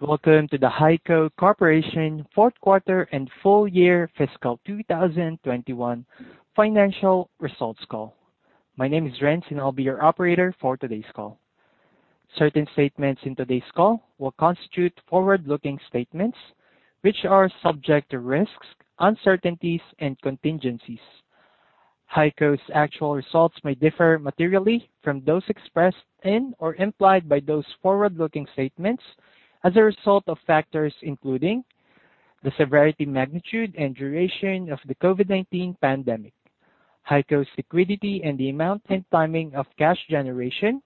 Welcome to the HEICO Corporation fourth quarter and full year fiscal 2021 financial results call. My name is Renz, and I'll be your operator for today's call. Certain statements in today's call will constitute forward-looking statements which are subject to risks, uncertainties, and contingencies. HEICO's actual results may differ materially from those expressed in or implied by those forward-looking statements as a result of factors including the severity, magnitude, and duration of the COVID-19 pandemic, HEICO's liquidity and the amount and timing of cash generation,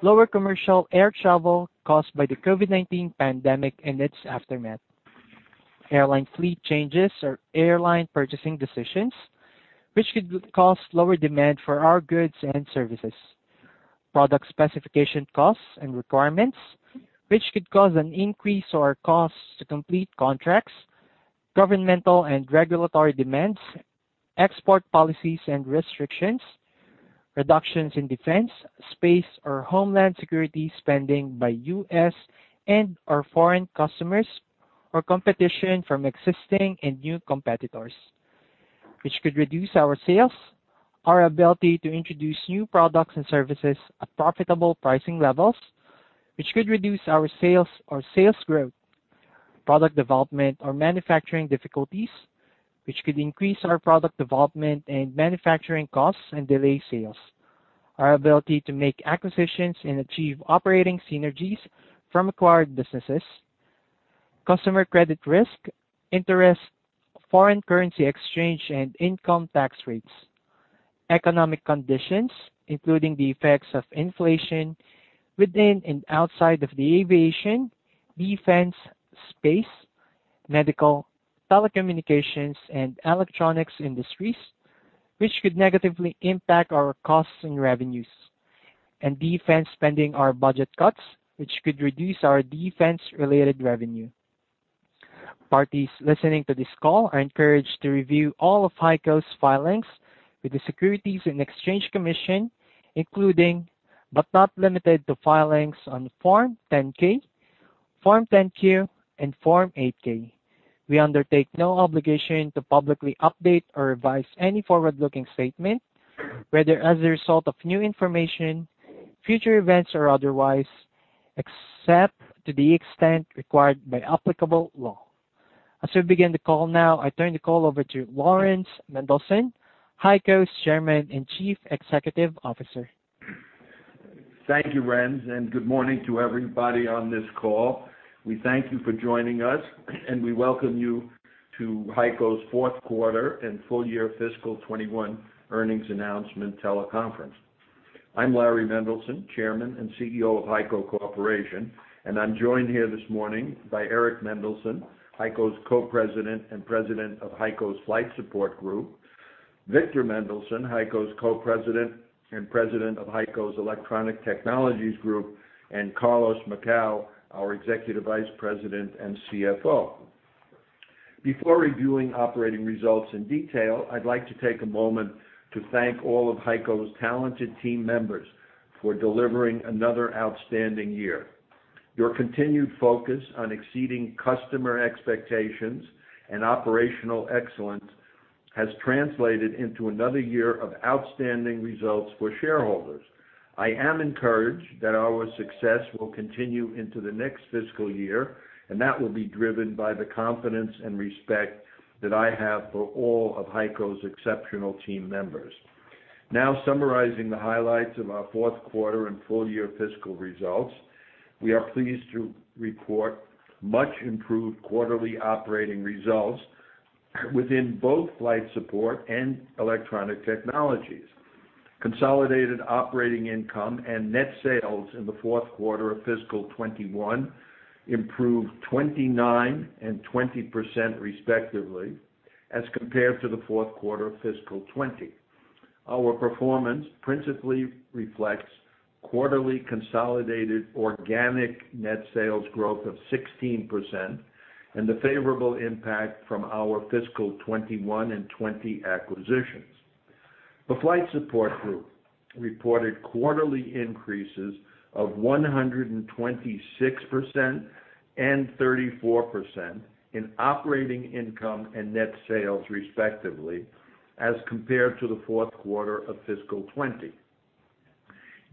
lower commercial air travel caused by the COVID-19 pandemic and its aftermath, airline fleet changes or airline purchasing decisions, which could cause lower demand for our goods and services, product specification costs and requirements, which could cause an increase in costs to complete contracts, governmental and regulatory demands, export policies and restrictions, reductions in defense, space or homeland security spending by U.S. and our foreign customers or competition from existing and new competitors, which could reduce our sales, our ability to introduce new products and services at profitable pricing levels, which could reduce our sales or sales growth, product development or manufacturing difficulties, which could increase our product development and manufacturing costs and delay sales, our ability to make acquisitions and achieve operating synergies from acquired businesses, customer credit risk, interest, foreign currency exchange, and income tax rates, economic conditions, including the effects of inflation within and outside of the aviation, defense, space, medical, telecommunications, and electronics industries, which could negatively impact our costs and revenues, and defense spending or budget cuts, which could reduce our defense-related revenue. Parties listening to this call are encouraged to review all of HEICO's filings with the Securities and Exchange Commission, including, but not limited to filings on Form 10-K, Form 10-Q, and Form 8-K. We undertake no obligation to publicly update or revise any forward-looking statement, whether as a result of new information, future events or otherwise, except to the extent required by applicable law. As we begin the call now, I turn the call over to Laurans Mendelson, HEICO's Chairman and Chief Executive Officer. Thank you, Renz, and good morning to everybody on this call. We thank you for joining us, and we welcome you to HEICO's fourth quarter and full-year fiscal 2021 earnings announcement teleconference. I'm Laurans Mendelson, Chairman and CEO of HEICO Corporation, and I'm joined here this morning by Eric Mendelson, HEICO's Co-President and President of HEICO's Flight Support Group, Victor Mendelson, HEICO's Co-President and President of HEICO's Electronic Technologies Group, and Carlos Macau, our Executive Vice President and CFO. Before reviewing operating results in detail, I'd like to take a moment to thank all of HEICO's talented team members for delivering another outstanding year. Your continued focus on exceeding customer expectations and operational excellence has translated into another year of outstanding results for shareholders. I am encouraged that our success will continue into the next fiscal year, and that will be driven by the confidence and respect that I have for all of HEICO's exceptional team members. Now summarizing the highlights of our fourth quarter and full-year fiscal results. We are pleased to report much improved quarterly operating results within both Flight Support and Electronic Technologies. Consolidated operating income and net sales in the fourth quarter of fiscal 2021 improved 29% and 20%, respectively, as compared to the fourth quarter of fiscal 2020. Our performance principally reflects quarterly consolidated organic net sales growth of 16% and the favorable impact from our fiscal 2021 and 2020 acquisitions. The Flight Support Group reported quarterly increases of 126% and 34% in operating income and net sales, respectively, as compared to the fourth quarter of fiscal 2020.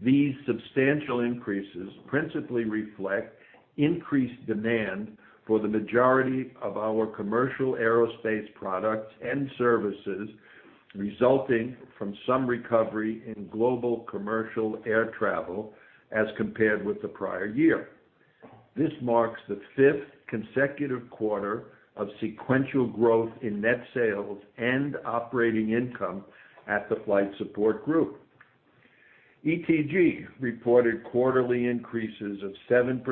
These substantial increases principally reflect increased demand for the majority of our commercial aerospace products and services, resulting from some recovery in global commercial air travel as compared with the prior year. This marks the fifth consecutive quarter of sequential growth in net sales and operating income at the Flight Support Group. ETG reported quarterly increases of 7%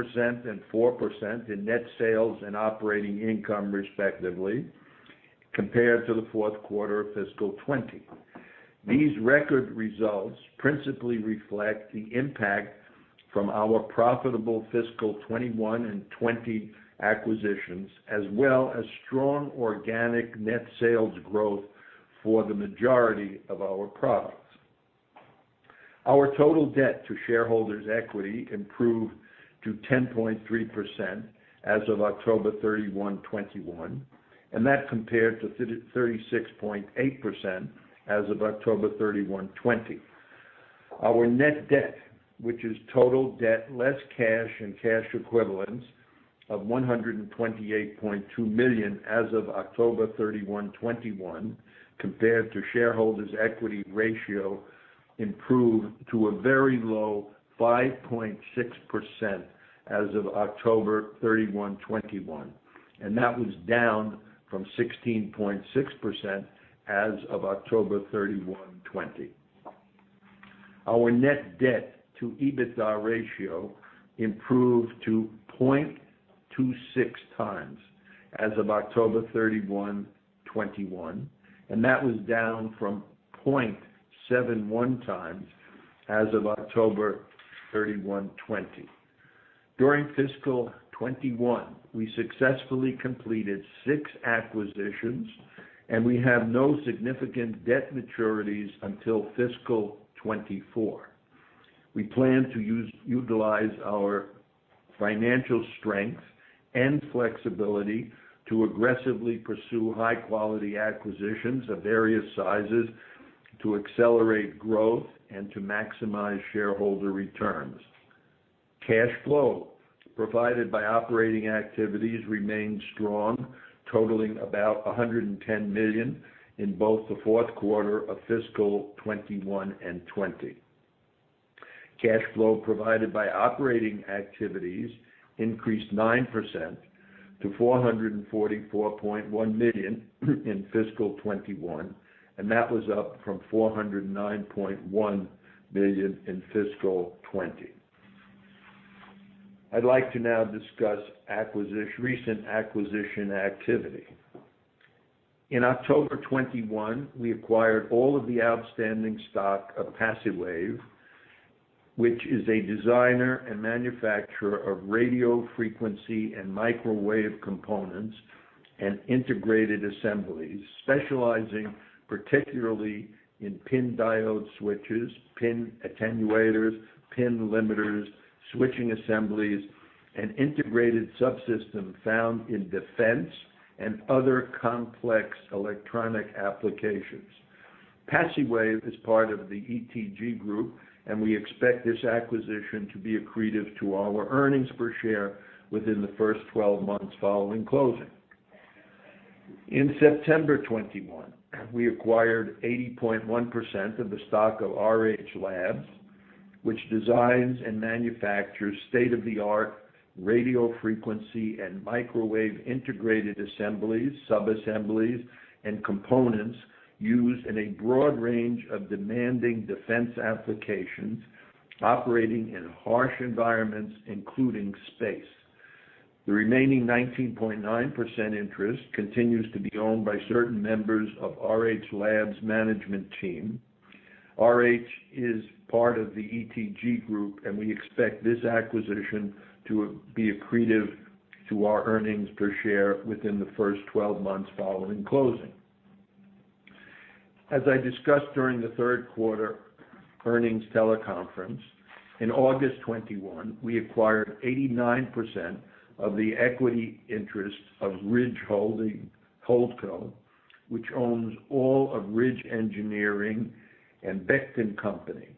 and 4% in net sales and operating income, respectively, compared to the fourth quarter of fiscal 2020. These record results principally reflect the impact from our profitable fiscal 2021 and 2020 acquisitions, as well as strong organic net sales growth for the majority of our products. Our total debt to shareholders' equity improved to 10.3% as of October 31, 2021, and that compared to 36.8% as of October 31, 2020. Our net debt, which is total debt less cash and cash equivalents of $128.2 million as of October 31, 2021, compared to shareholders' equity ratio improved to a very low 5.6% as of October 31, 2021. That was down from 16.6% as of October 31, 2020. Our net debt to EBITDA ratio improved to 0.26x as of October 31, 2021, and that was down from 0.71x as of October 31, 2020. During fiscal 2021, we successfully completed six acquisitions, and we have no significant debt maturities until fiscal 2024. We plan to utilize our financial strength and flexibility to aggressively pursue high-quality acquisitions of various sizes to accelerate growth and to maximize shareholder returns. Cash flow provided by operating activities remained strong, totaling about $110 million in both the fourth quarter of fiscal 2021 and 2020. Cash flow provided by operating activities increased 9% to $444.1 million in fiscal 2021, and that was up from $409.1 million in fiscal 2020. I'd like to now discuss acquisition, recent acquisition activity. In October 2021, we acquired all of the outstanding stock of Paciwave, which is a designer and manufacturer of radio frequency and microwave components and integrated assemblies, specializing particularly in PIN diode switches, PIN attenuators, PIN limiters, switching assemblies, and integrated subsystems found in defense and other complex electronic applications. Paciwave is part of the ETG group, and we expect this acquisition to be accretive to our earnings per share within the first 12 months following closing. In September 2021, we acquired 80.1% of the stock of RH Laboratories, which designs and manufactures state-of-the-art radio frequency and microwave integrated assemblies, subassemblies, and components used in a broad range of demanding defense applications operating in harsh environments, including space. The remaining 19.9% interest continues to be owned by certain members of RH Laboratories management team. RH is part of the ETG group, and we expect this acquisition to be accretive to our earnings per share within the first 12 months following closing. As I discussed during the third quarter earnings teleconference, in August 2021, we acquired 89% of the equity interest of Ridge Holding HoldCo, which owns all of Ridge Engineering and Bechdon Company.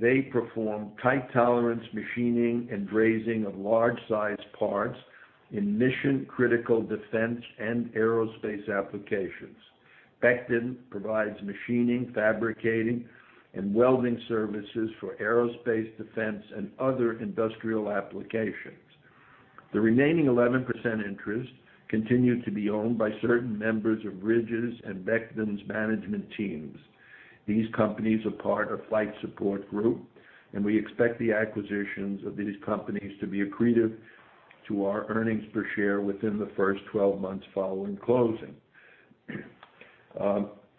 They perform tight tolerance machining and brazing of large-sized parts in mission-critical defense and aerospace applications. Bechdon provides machining, fabricating, and welding services for aerospace and defense and other industrial applications. The remaining 11% interest continued to be owned by certain members of Ridge's and Bechdon's management teams. These companies are part of Flight Support Group, and we expect the acquisitions of these companies to be accretive to our earnings per share within the first 12 months following closing.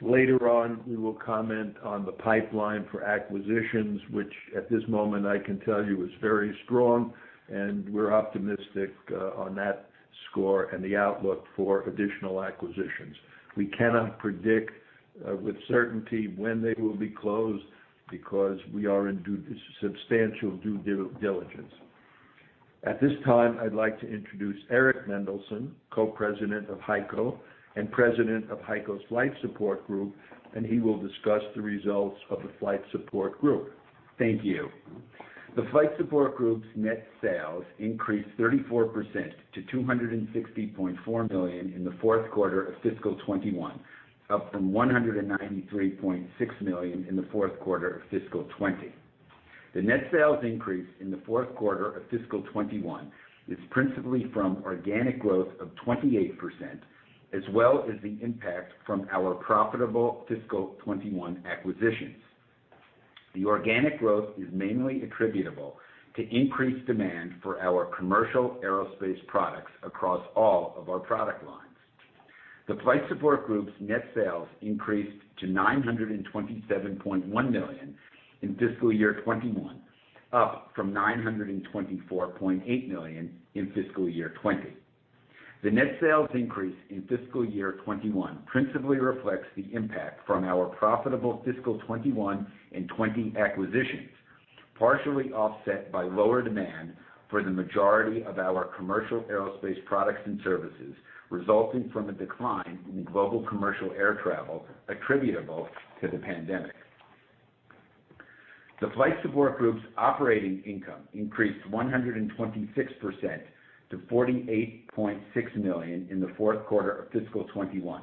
Later on, we will comment on the pipeline for acquisitions, which at this moment I can tell you is very strong and we're optimistic on that score and the outlook for additional acquisitions. We cannot predict with certainty when they will be closed because we are in substantial due diligence. At this time, I'd like to introduce Eric Mendelson, Co-President of HEICO and President of HEICO's Flight Support Group, and he will discuss the results of the Flight Support Group. Thank you. The Flight Support Group's net sales increased 34% to $260.4 million in the fourth quarter of fiscal 2021, up from $193.6 million in the fourth quarter of fiscal 2020. The net sales increase in the fourth quarter of fiscal 2021 is principally from organic growth of 28%, as well as the impact from our profitable fiscal 2021 acquisitions. The organic growth is mainly attributable to increased demand for our commercial aerospace products across all of our product lines. The Flight Support Group's net sales increased to $927.1 million in fiscal year 2021, up from $924.8 million in fiscal year 2020. The net sales increase in fiscal year 2021 principally reflects the impact from our profitable fiscal 2021 and 2020 acquisitions, partially offset by lower demand for the majority of our commercial aerospace products and services, resulting from a decline in the global commercial air travel attributable to the pandemic. The Flight Support Group's operating income increased 126% to $48.6 million in the fourth quarter of fiscal 2021,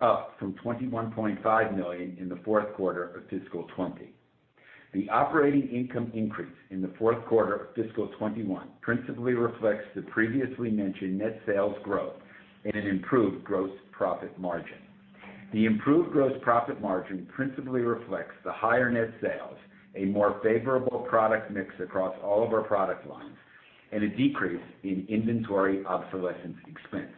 up from $21.5 million in the fourth quarter of fiscal 2020. The operating income increase in the fourth quarter of fiscal 2021 principally reflects the previously mentioned net sales growth and an improved gross profit margin. The improved gross profit margin principally reflects the higher net sales, a more favorable product mix across all of our product lines, and a decrease in inventory obsolescence expense.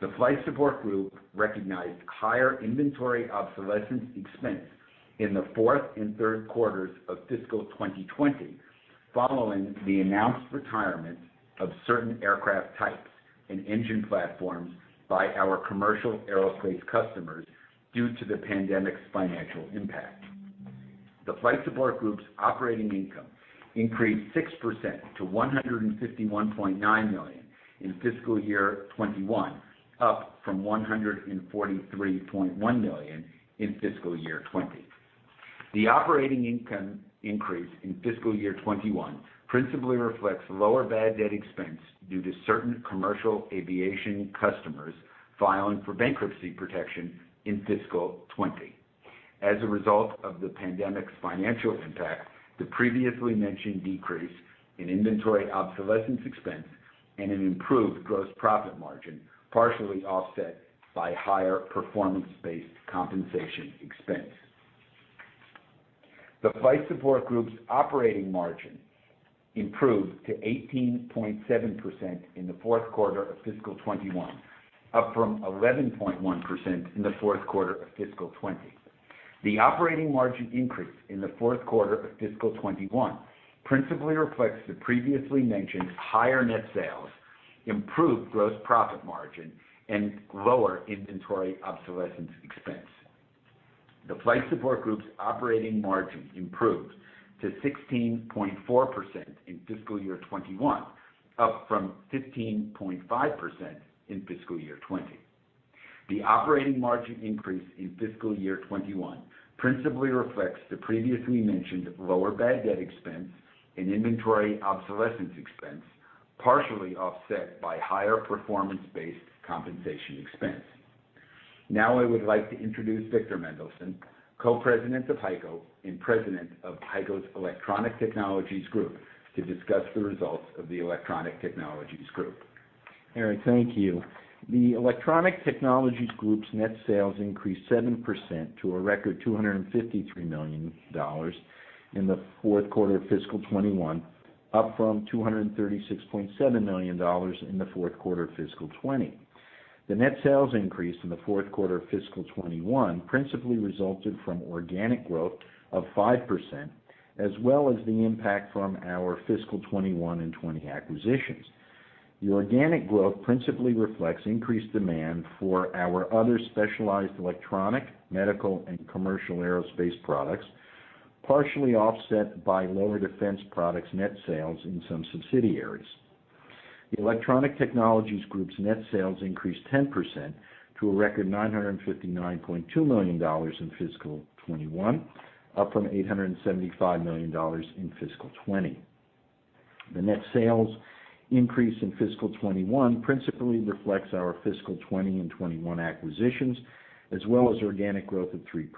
The Flight Support Group recognized higher inventory obsolescence expense in the fourth and third quarters of fiscal 2020, following the announced retirement of certain aircraft types and engine platforms by our commercial aerospace customers due to the pandemic's financial impact. The Flight Support Group's operating income increased 6% to $151.9 million in fiscal year 2021, up from $143.1 million in fiscal year 2020. The operating income increase in fiscal year 2021 principally reflects lower bad debt expense due to certain commercial aviation customers filing for bankruptcy protection in fiscal 2020. As a result of the pandemic's financial impact, the previously mentioned decrease in inventory obsolescence expense and an improved gross profit margin, partially offset by higher performance-based compensation expense. The Flight Support Group's operating margin improved to 18.7% in the fourth quarter of fiscal 2021, up from 11.1% in the fourth quarter of fiscal 2020. The operating margin increase in the fourth quarter of fiscal 2021 principally reflects the previously mentioned higher net sales, improved gross profit margin, and lower inventory obsolescence expense. The Flight Support Group's operating margin improved to 16.4% in fiscal year 2021, up from 15.5% in fiscal year 2020. The operating margin increase in fiscal year 2021 principally reflects the previously mentioned lower bad debt expense and inventory obsolescence expense, partially offset by higher performance-based compensation expense. Now, I would like to introduce Victor Mendelson, Co-President of HEICO and President of HEICO's Electronic Technologies Group, to discuss the results of the Electronic Technologies Group. Eric, thank you. The Electronic Technologies Group's net sales increased 7% to a record $253 million in the fourth quarter of fiscal 2021, up from $236.7 million in the fourth quarter of fiscal 2020. The net sales increase in the fourth quarter of fiscal 2021 principally resulted from organic growth of 5% as well as the impact from our fiscal 2021 and 2020 acquisitions. The organic growth principally reflects increased demand for our other specialized electronic, medical, and commercial aerospace products, partially offset by lower defense products net sales in some subsidiaries. The Electronic Technologies Group's net sales increased 10% to a record $959.2 million in fiscal 2021, up from $875 million in fiscal 2020. The net sales increase in fiscal 2021 principally reflects our fiscal 2020 and 2021 acquisitions, as well as organic growth of 3%.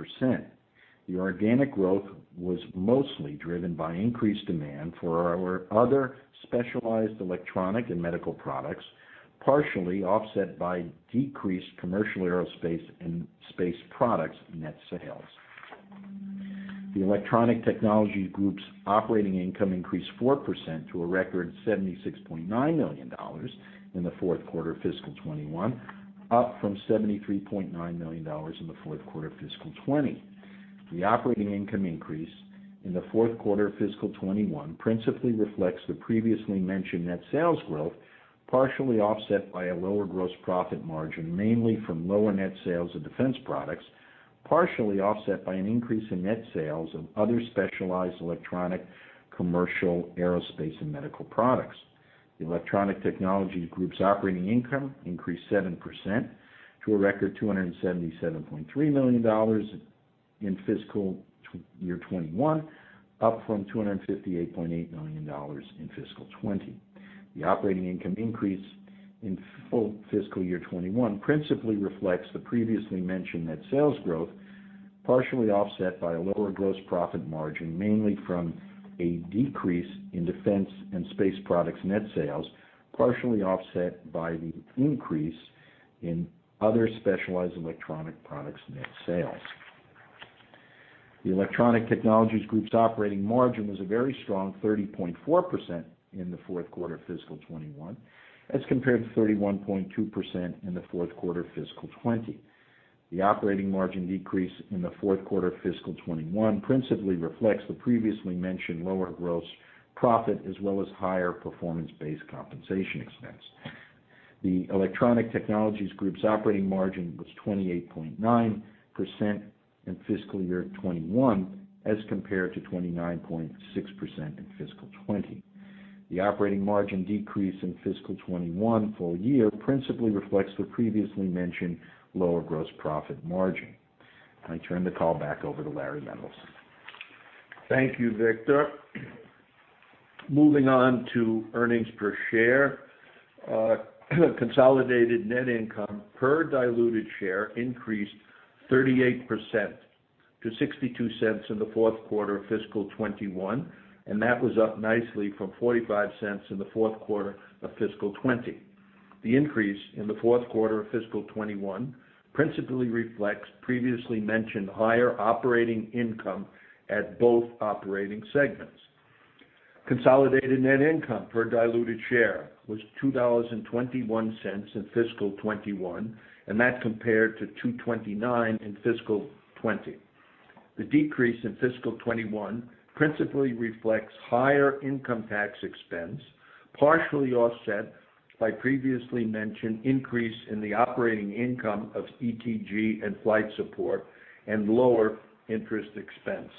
The organic growth was mostly driven by increased demand for our other specialized electronic and medical products, partially offset by decreased commercial aerospace and space products net sales. The Electronic Technologies Group's operating income increased 4% to a record $76.9 million in the fourth quarter of fiscal 2021, up from $73.9 million in the fourth quarter of fiscal 2020. The operating income increase in the fourth quarter of fiscal 2021 principally reflects the previously mentioned net sales growth, partially offset by a lower gross profit margin, mainly from lower net sales of defense products, partially offset by an increase in net sales of other specialized electronic, commercial, aerospace, and medical products. The Electronic Technologies Group's operating income increased 7% to a record $277.3 million in FY 2021, up from $258.8 million in FY 2020. The operating income increase in full FY 2021 principally reflects the previously mentioned net sales growth, partially offset by a lower gross profit margin, mainly from a decrease in defense and space products net sales, partially offset by the increase in other specialized electronic products net sales. The Electronic Technologies Group's operating margin was a very strong 30.4% in the fourth quarter of FY 2021, as compared to 31.2% in the fourth quarter of FY 2020. The operating margin decrease in the fourth quarter of FY 2021 principally reflects the previously mentioned lower gross profit as well as higher performance-based compensation expense. The Electronic Technologies Group's operating margin was 28.9% in fiscal year 2021 as compared to 29.6% in fiscal 2020. The operating margin decrease in fiscal 2021 full year principally reflects the previously mentioned lower gross profit margin. I turn the call back over to Laurans. Thank you, Victor. Moving on to earnings per share. Consolidated net income per diluted share increased 38% to $0.62 in the fourth quarter of fiscal 2021, and that was up nicely from $0.45 in the fourth quarter of fiscal 2020. The increase in the fourth quarter of fiscal 2021 principally reflects previously mentioned higher operating income at both operating segments. Consolidated net income per diluted share was $2.21 in fiscal 2021, and that compared to $2.29 in fiscal 2020. The decrease in fiscal 2021 principally reflects higher income tax expense, partially offset by previously mentioned increase in the operating income of ETG and Flight Support and lower interest expense.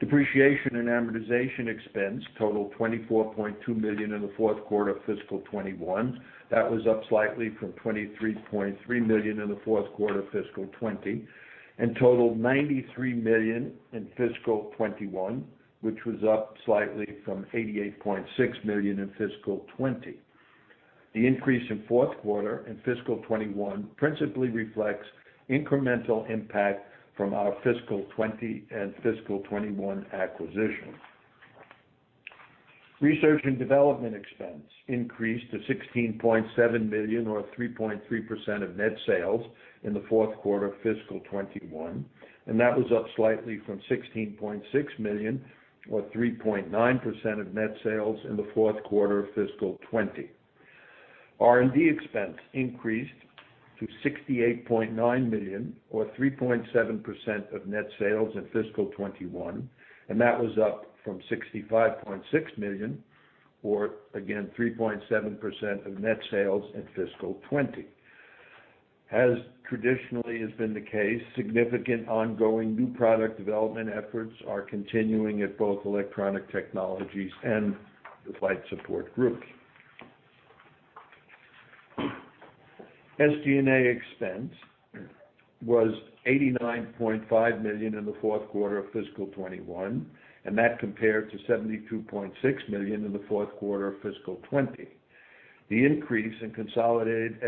Depreciation and amortization expense totaled $24.2 million in the fourth quarter of fiscal 2021. That was up slightly from $23.3 million in the fourth quarter of fiscal 2020 and totaled $93 million in fiscal 2021, which was up slightly from $88.6 million in fiscal 2020. The increase in the fourth quarter of fiscal 2021 principally reflects incremental impact from our fiscal 2020 and fiscal 2021 acquisitions. Research and development expense increased to $16.7 million or 3.3% of net sales in the fourth quarter of fiscal 2021, and that was up slightly from $16.6 million or 3.9% of net sales in the fourth quarter of fiscal 2020. R&D expense increased to $68.9 million or 3.7% of net sales in fiscal 2021, and that was up from $65.6 million or again 3.7% of net sales in fiscal 2020. As traditionally has been the case, significant ongoing new product development efforts are continuing at both Electronic Technologies and the Flight Support Group. SG&A expense was $89.5 million in the fourth quarter of fiscal 2021, and that compared to $72.6 million in the fourth quarter of fiscal 2020. The increase in consolidated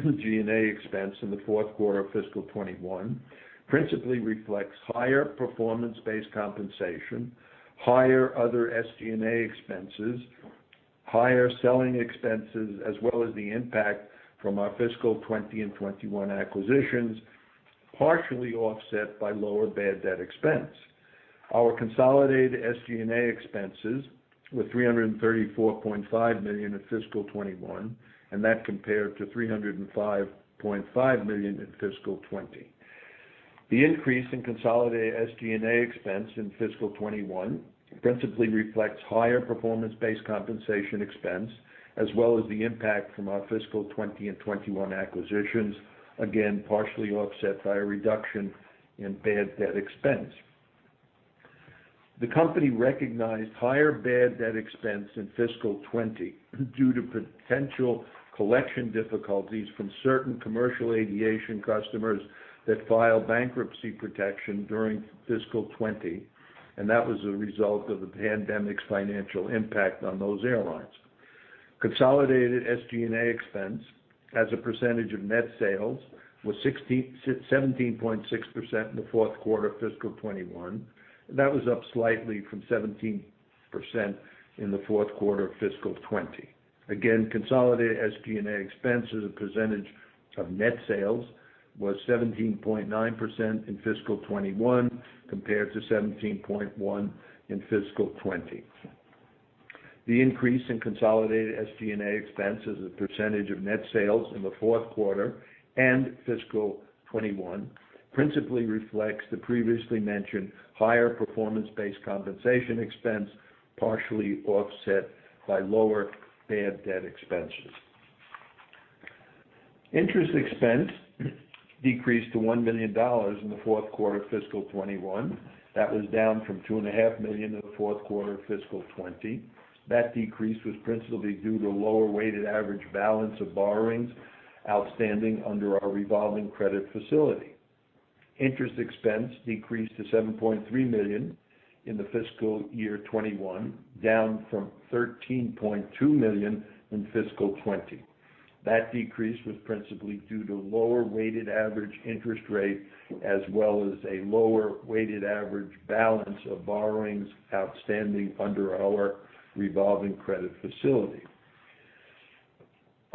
SG&A expense in the fourth quarter of fiscal 2021 principally reflects higher performance-based compensation, higher other SG&A expenses, higher selling expenses, as well as the impact from our fiscal 2020 and 2021 acquisitions, partially offset by lower bad debt expense. Our consolidated SG&A expenses were $334.5 million in fiscal 2021, and that compared to $305.5 million in fiscal 2020. The increase in consolidated SG&A expense in fiscal 2021 principally reflects higher performance-based compensation expense as well as the impact from our fiscal 2020 and 2021 acquisitions, again, partially offset by a reduction in bad debt expense. The company recognized higher bad debt expense in fiscal 2020 due to potential collection difficulties from certain commercial aviation customers that filed bankruptcy protection during fiscal 2020, and that was a result of the pandemic's financial impact on those airlines. Consolidated SG&A expense as a percentage of net sales was 17.6% in the fourth quarter of fiscal 2021. That was up slightly from 17% in the fourth quarter of fiscal 2020. Again, consolidated SG&A expense as a percentage of net sales was 17.9% in fiscal 2021, compared to 17.1% in fiscal 2020. The increase in consolidated SG&A expense as a percentage of net sales in the fourth quarter and fiscal 2021 principally reflects the previously mentioned higher performance-based compensation expense, partially offset by lower bad debt expenses. Interest expense decreased to $1 million in the fourth quarter of fiscal 2021. That was down from $2.5 million in the fourth quarter of fiscal 2020. That decrease was principally due to lower weighted average balance of borrowings outstanding under our revolving credit facility. Interest expense decreased to $7.3 million in the fiscal year 2021, down from $13.2 million in fiscal 2020. That decrease was principally due to lower weighted average interest rate as well as a lower weighted average balance of borrowings outstanding under our revolving credit facility.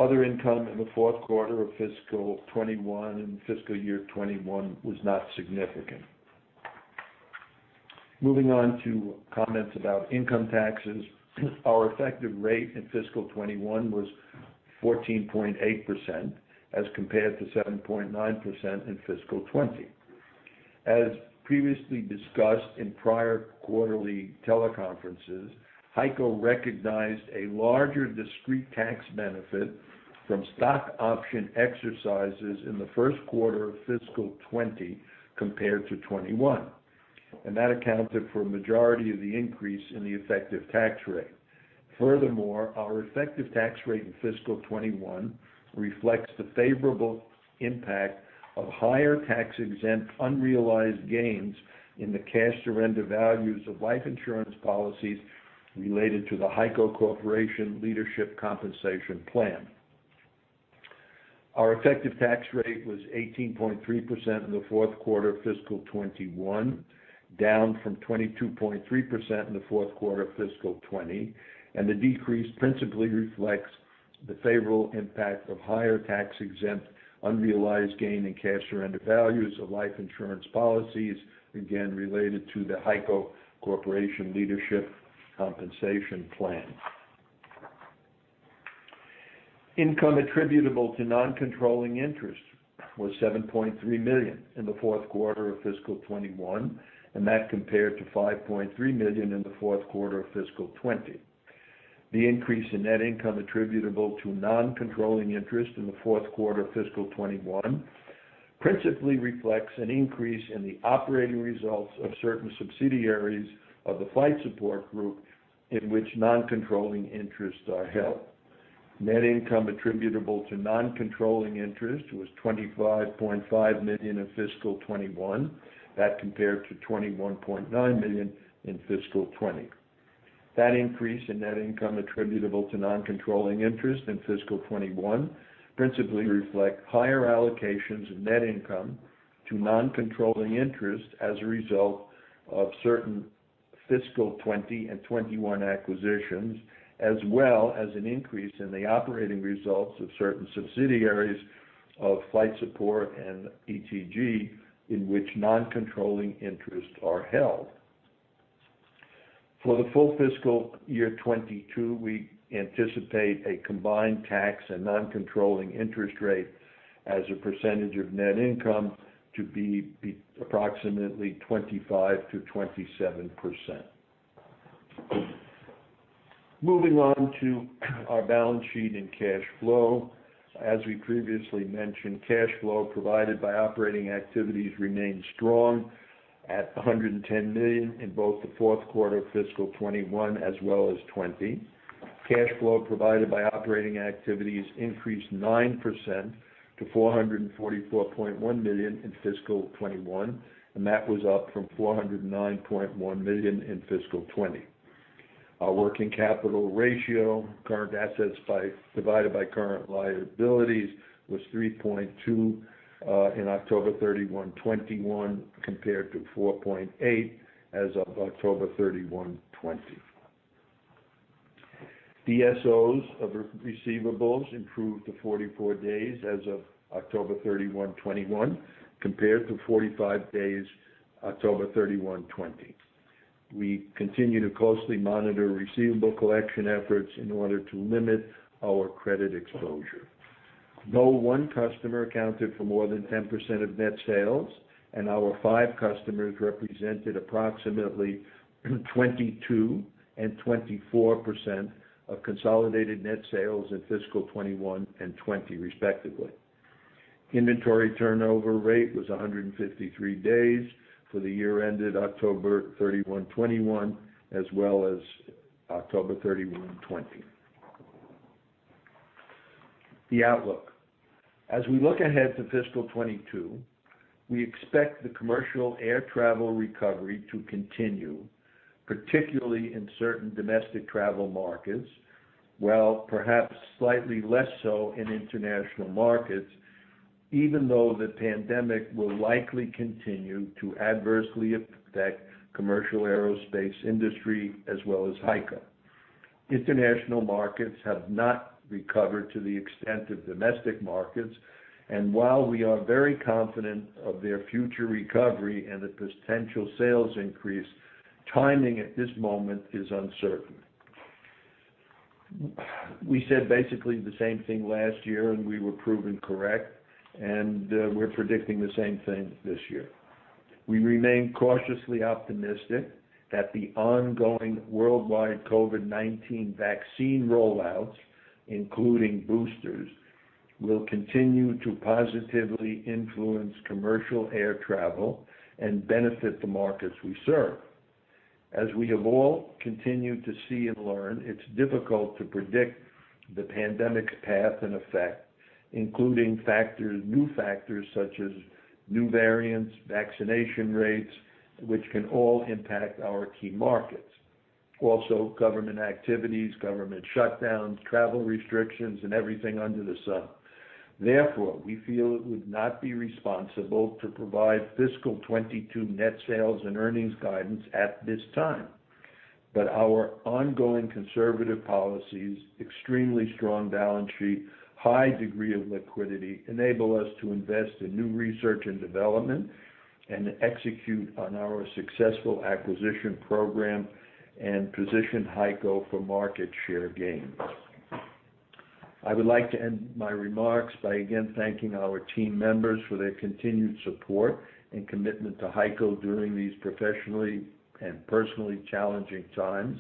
Other income in the fourth quarter of fiscal 2021 and fiscal year 2021 was not significant. Moving on to comments about income taxes. Our effective rate in fiscal 2021 was 14.8% as compared to 7.9% in fiscal 2020. As previously discussed in prior quarterly teleconferences, HEICO recognized a larger discrete tax benefit from stock option exercises in the first quarter of fiscal 2020 compared to 2021, and that accounted for a majority of the increase in the effective tax rate. Furthermore, our effective tax rate in fiscal 2021 reflects the favorable impact of higher tax-exempt unrealized gains in the cash surrender values of life insurance policies related to the HEICO Corporation Leadership Compensation Plan. Our effective tax rate was 18.3% in the fourth quarter of fiscal 2021, down from 22.3% in the fourth quarter of fiscal 2020, and the decrease principally reflects the favorable impact of higher tax-exempt unrealized gain in cash surrender values of life insurance policies, again related to the HEICO Corporation Leadership Compensation Plan. Income attributable to non-controlling interest was $7.3 million in the fourth quarter of fiscal 2021, and that compared to $5.3 million in the fourth quarter of fiscal 2020. The increase in net income attributable to non-controlling interest in the fourth quarter of fiscal 2021 principally reflects an increase in the operating results of certain subsidiaries of the Flight Support Group in which non-controlling interests are held. Net income attributable to non-controlling interest was $25.5 million in fiscal 2021. That compared to $21.9 million in fiscal 2020. That increase in net income attributable to non-controlling interest in fiscal 2021 principally reflect higher allocations of net income to non-controlling interest as a result of certain fiscal 2020 and 2021 acquisitions, as well as an increase in the operating results of certain subsidiaries of Flight Support and ETG in which non-controlling interests are held. For the full fiscal year 2022, we anticipate a combined tax and non-controlling interest rate as a percentage of net income to be approximately 25%-27%. Moving on to our balance sheet and cash flow. As we previously mentioned, cash flow provided by operating activities remained strong at $110 million in both the fourth quarter of fiscal 2021 as well as 2020. Cash flow provided by operating activities increased 9% to $444.1 million in fiscal 2021, and that was up from $409.1 million in fiscal 2020. Our working capital ratio, current assets divided by current liabilities, was 3.2 in October 31, 2021, compared to 4.8 as of October 31, 2020. DSOs of receivables improved to 44 days as of October 31, 2021, compared to 45 days October 31, 2020. We continue to closely monitor receivable collection efforts in order to limit our credit exposure. No one customer accounted for more than 10% of net sales, and our five customers represented approximately 22% and 24% of consolidated net sales in fiscal 2021 and 2020, respectively. Inventory turnover rate was 153 days for the year ended October 31, 2021, as well as October 31, 2020. The outlook. As we look ahead to fiscal 2022, we expect the commercial air travel recovery to continue, particularly in certain domestic travel markets, while perhaps slightly less so in international markets, even though the pandemic will likely continue to adversely affect commercial aerospace industry as well as HEICO. International markets have not recovered to the extent of domestic markets, and while we are very confident of their future recovery and the potential sales increase, timing at this moment is uncertain. We said basically the same thing last year, and we were proven correct, and we're predicting the same thing this year. We remain cautiously optimistic that the ongoing worldwide COVID-19 vaccine rollouts, including boosters, will continue to positively influence commercial air travel and benefit the markets we serve. As we have all continued to see and learn, it's difficult to predict the pandemic's path and effect, including new factors such as new variants, vaccination rates, government activities, government shutdowns, travel restrictions, and everything under the sun, which can all impact our key markets. Therefore, we feel it would not be responsible to provide fiscal 2022 net sales and earnings guidance at this time. Our ongoing conservative policies, extremely strong balance sheet, high degree of liquidity enable us to invest in new research and development and execute on our successful acquisition program and position HEICO for market share gains. I would like to end my remarks by again thanking our team members for their continued support and commitment to HEICO during these professionally and personally challenging times.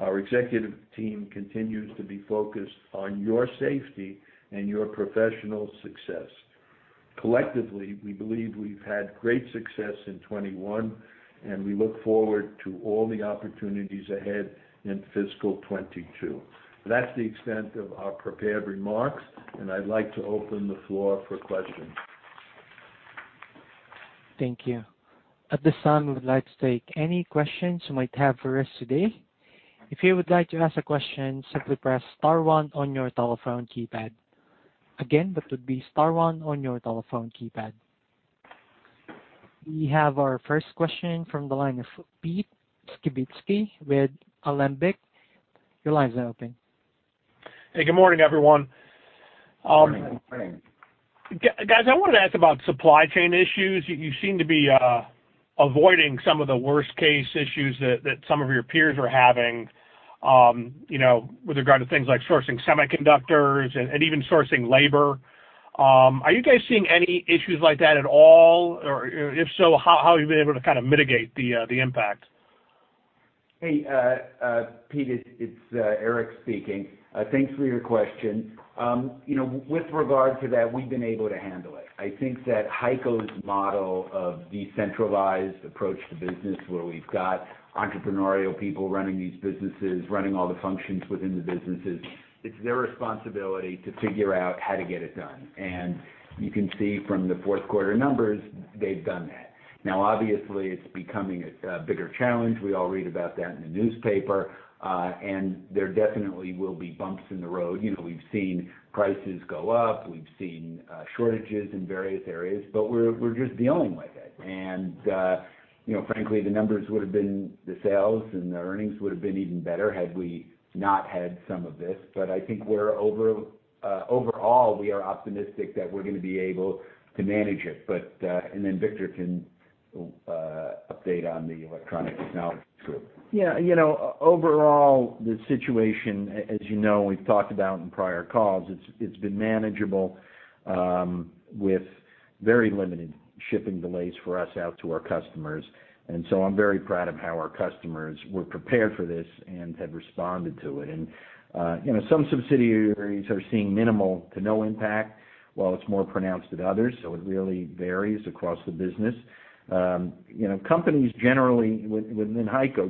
Our executive team continues to be focused on your safety and your professional success. Collectively, we believe we've had great success in 2021, and we look forward to all the opportunities ahead in fiscal 2022. That's the extent of our prepared remarks, and I'd like to open the floor for questions. Thank you. At this time, we would like to take any questions you might have for us today. If you would like to ask a question, simply press star one on your telephone keypad. Again, that would be star one on your telephone keypad. We have our first question from the line of Pete Skibitski with Alembic. Your line is now open. Hey, good morning, everyone. Good morning. Guys, I wanted to ask about supply chain issues. You seem to be avoiding some of the worst case issues that some of your peers are having, you know, with regard to things like sourcing semiconductors and even sourcing labor. Are you guys seeing any issues like that at all? Or if so, how have you been able to kind of mitigate the impact? Hey, Pete, it's Eric speaking. Thanks for your question. You know, with regard to that, we've been able to handle it. I think that HEICO's model of decentralized approach to business, where we've got entrepreneurial people running these businesses, running all the functions within the businesses, it's their responsibility to figure out how to get it done. You can see from the fourth quarter numbers, they've done that. Now, obviously, it's becoming a bigger challenge. We all read about that in the newspaper, and there definitely will be bumps in the road. You know, we've seen prices go up, we've seen shortages in various areas, but we're just dealing with it. You know, frankly, the numbers would have been the sales and the earnings would have been even better had we not had some of this. I think overall, we are optimistic that we're going to be able to manage it. Victor Mendelson can update on the Electronic Technologies Group. Yeah. You know, overall, the situation, as you know, we've talked about in prior calls, it's been manageable with very limited shipping delays for us out to our customers. You know, some subsidiaries are seeing minimal to no impact, while it's more pronounced at others. It really varies across the business. You know, companies generally within HEICO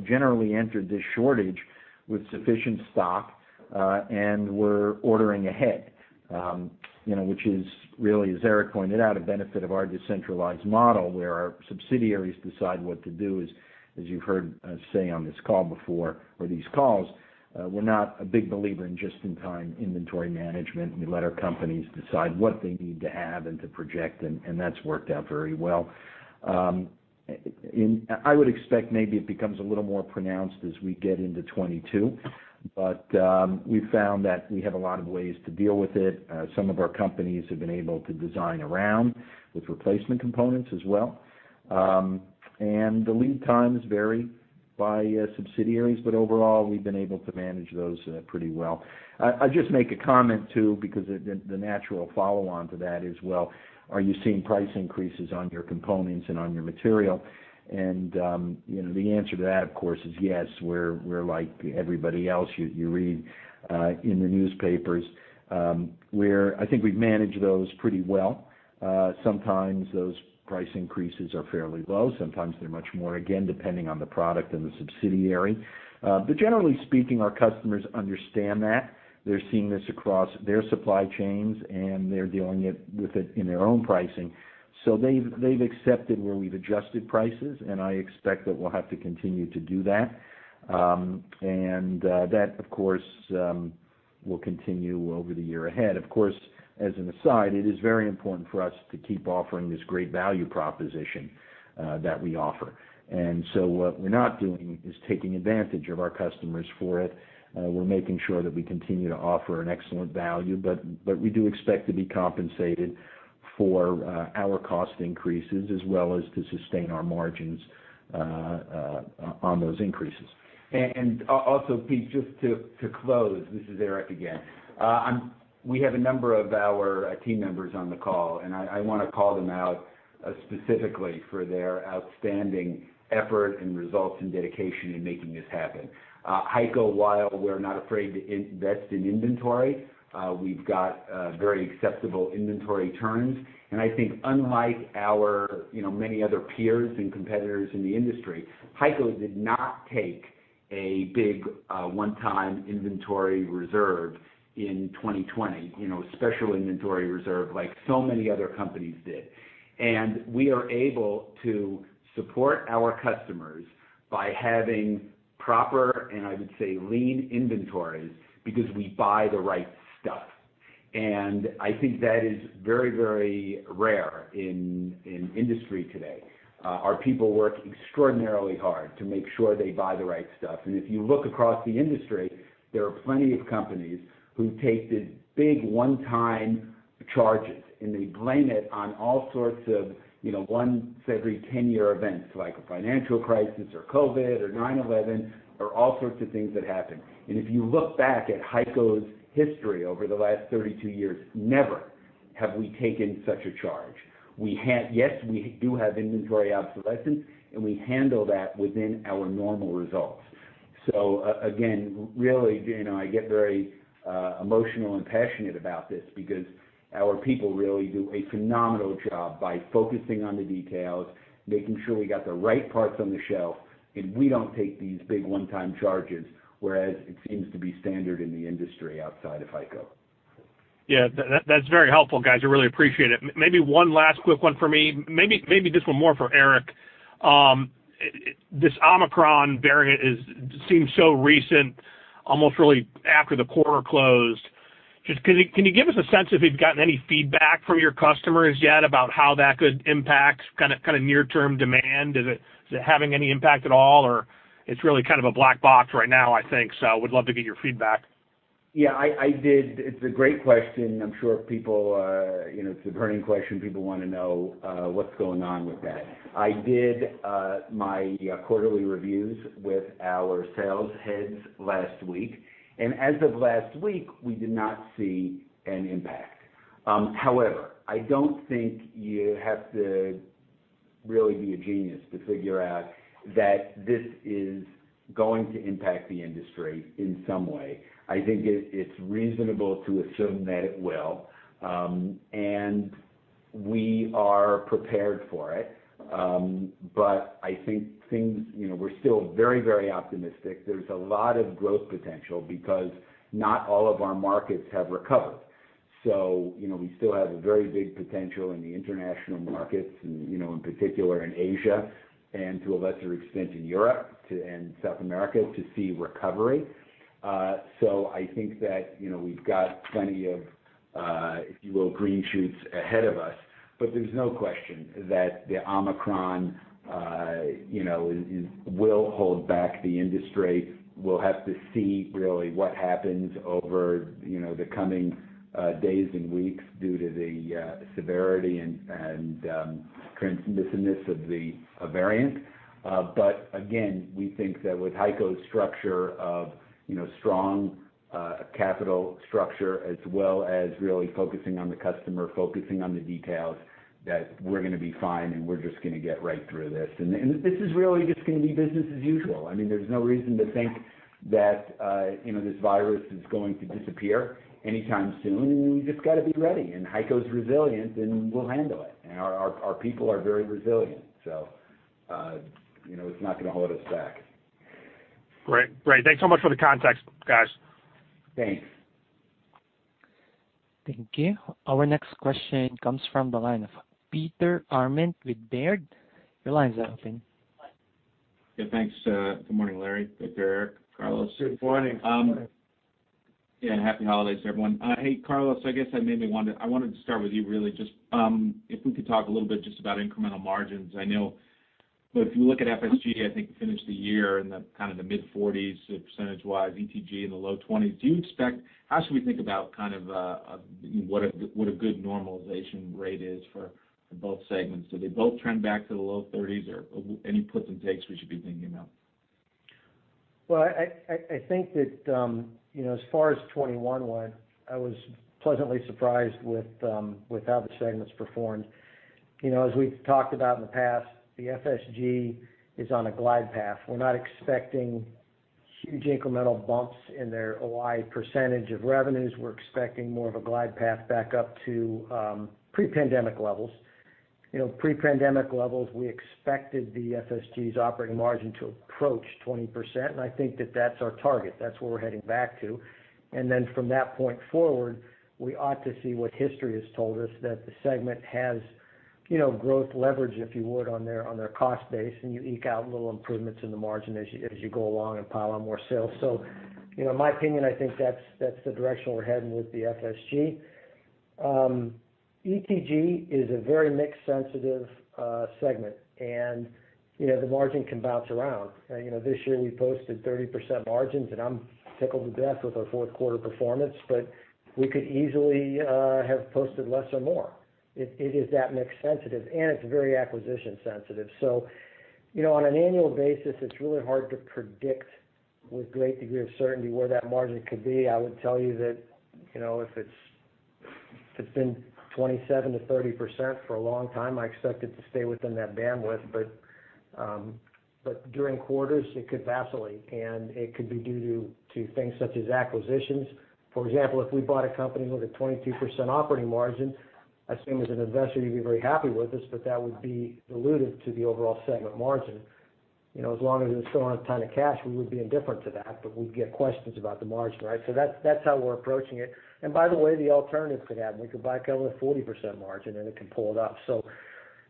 entered this shortage with sufficient stock and were ordering ahead, you know, which is really, as Eric pointed out, a benefit of our decentralized model, where our subsidiaries decide what to do. As you've heard us say on this call before or these calls, we're not a big believer in just-in-time inventory management. We let our companies decide what they need to have and to project, and that's worked out very well. I would expect maybe it becomes a little more pronounced as we get into 2022, but we found that we have a lot of ways to deal with it. Some of our companies have been able to design around with replacement components as well. The lead times vary by subsidiaries, but overall, we've been able to manage those pretty well. I'll just make a comment too, because the natural follow on to that is, well, are you seeing price increases on your components and on your material? You know, the answer to that, of course, is yes. We're like everybody else. You read in the newspapers. I think we've managed those pretty well. Sometimes those price increases are fairly low, sometimes they're much more, again, depending on the product and the subsidiary. Generally speaking, our customers understand that. They're seeing this across their supply chains, and they're dealing with it in their own pricing. They've accepted where we've adjusted prices, and I expect that we'll have to continue to do that. That of course will continue over the year ahead. Of course, as an aside, it is very important for us to keep offering this great value proposition that we offer. What we're not doing is taking advantage of our customers for it. We're making sure that we continue to offer an excellent value, but we do expect to be compensated for our cost increases as well as to sustain our margins on those increases. Also, Pete, just to close, this is Eric again. We have a number of our team members on the call, and I wanna call them out specifically for their outstanding effort and results and dedication in making this happen. HEICO, while we're not afraid to invest in inventory, we've got very acceptable inventory turns. I think unlike our, you know, many other peers and competitors in the industry, HEICO did not take a big one-time inventory reserve in 2020, you know, special inventory reserve like so many other companies did. We are able to support our customers by having proper, and I would say, lean inventories because we buy the right stuff. I think that is very, very rare in industry today. Our people work extraordinarily hard to make sure they buy the right stuff. If you look across the industry, there are plenty of companies who've taken big one-time charges, and they blame it on all sorts of, you know, once every 10-year events, like a financial crisis or COVID or 9/11, or all sorts of things that happen. If you look back at HEICO's history over the last 32 years, never have we taken such a charge. Yes, we do have inventory obsolescence, and we handle that within our normal results. Really, you know, I get very emotional and passionate about this because our people really do a phenomenal job by focusing on the details, making sure we got the right parts on the shelf, and we don't take these big one-time charges, whereas it seems to be standard in the industry outside of HEICO. Yeah. That's very helpful, guys. I really appreciate it. Maybe one last quick one for me. Maybe this one more for Eric. This Omicron variant seems so recent, almost really after the quarter closed. Just, can you give us a sense if you've gotten any feedback from your customers yet about how that could impact kind of near-term demand? Is it having any impact at all, or is it really kind of a black box right now, I think. Would love to get your feedback. Yeah, I did. It's a great question. I'm sure people, you know, it's a burning question. People wanna know, what's going on with that. I did my quarterly reviews with our sales heads last week, and as of last week, we did not see an impact. However, I don't think you have to really be a genius to figure out that this is going to impact the industry in some way. I think it's reasonable to assume that it will, and we are prepared for it. I think things, you know, we're still very, very optimistic. There's a lot of growth potential because not all of our markets have recovered. We still have a very big potential in the international markets and, in particular in Asia, and to a lesser extent in Europe and South America to see recovery. I think that we've got plenty of, if you will, green shoots ahead of us. There's no question that the Omicron will hold back the industry. We'll have to see really what happens over the coming days and weeks due to the severity and transmissiveness of the variant. We think that with HEICO's structure of strong capital structure as well as really focusing on the customer, focusing on the details, that we're gonna be fine, and we're just gonna get right through this. This is really just gonna be business as usual. I mean, there's no reason to think that, you know, this virus is going to disappear anytime soon. We just gotta be ready, and HEICO's resilient, and we'll handle it. Our people are very resilient. You know, it's not gonna hold us back. Great. Thanks so much for the context, guys. Thanks. Thank you. Our next question comes from the line of Peter Arment with Baird. Your line is open. Yeah, thanks. Good morning, Laurans, Victor, Eric, Carlos. Good morning. Yeah, happy holidays, everyone. Hey, Carlos, I wanted to start with you really just if we could talk a little bit just about incremental margins. I know if you look at FSG, I think you finished the year in the kind of the mid-40s%, ETG in the low 20s%. How should we think about kind of what a good normalization rate is for both segments? Do they both trend back to the low 30s or any puts and takes we should be thinking about? I think that, you know, as far as 2021 went, I was pleasantly surprised with how the segments performed. You know, as we've talked about in the past, the FSG is on a glide path. We're not expecting huge incremental bumps in their OI percentage of revenues. We're expecting more of a glide path back up to pre-pandemic levels. You know, pre-pandemic levels, we expected the FSG's operating margin to approach 20%, and I think that that's our target. That's where we're heading back to. From that point forward, we ought to see what history has told us, that the segment has, you know, growth leverage, if you would, on their cost base, and you eke out little improvements in the margin as you go along and pile on more sales. You know, in my opinion, I think that's the direction we're heading with the FSG. ETG is a very mix-sensitive segment. You know, the margin can bounce around. You know, this year, we posted 30% margins, and I'm tickled to death with our fourth quarter performance, but we could easily have posted less or more. It is that mix sensitive, and it's very acquisition sensitive. You know, on an annual basis, it's really hard to predict with great degree of certainty where that margin could be. I would tell you that, you know, if it's been 27%-30% for a long time, I expect it to stay within that bandwidth. But during quarters, it could vacillate, and it could be due to things such as acquisitions. For example, if we bought a company with a 22% operating margin, I assume as an investor, you'd be very happy with this, but that would be dilutive to the overall segment margin. You know, as long as it's still on a ton of cash, we would be indifferent to that, but we'd get questions about the margin, right? That's how we're approaching it. By the way, the alternatives could happen. We could buy a company with 40% margin, and it can pull it up.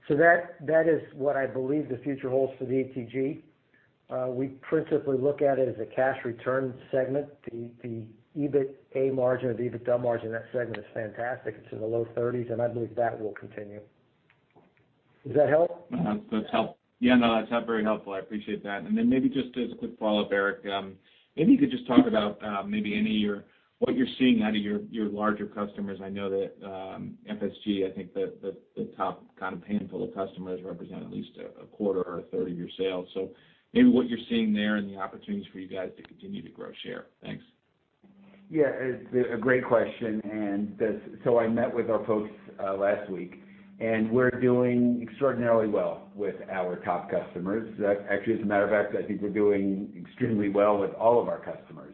That is what I believe the future holds for the ETG. We principally look at it as a cash return segment. The EBITDA margin or the EBITDA margin in that segment is fantastic. It's in the low 30s%, and I believe that will continue. Does that help? Uh-huh. That's helpful. Yeah, no, that's very helpful. I appreciate that. Then maybe just as a quick follow-up, Eric, maybe you could just talk about maybe any of what you're seeing out of your larger customers. I know that FSG, I think the top kind of handful of customers represent at least a quarter or a third of your sales. So maybe what you're seeing there and the opportunities for you guys to continue to grow share? Thanks. Yeah. It's a great question. I met with our folks last week, and we're doing extraordinarily well with our top customers. Actually, as a matter of fact, I think we're doing extremely well with all of our customers.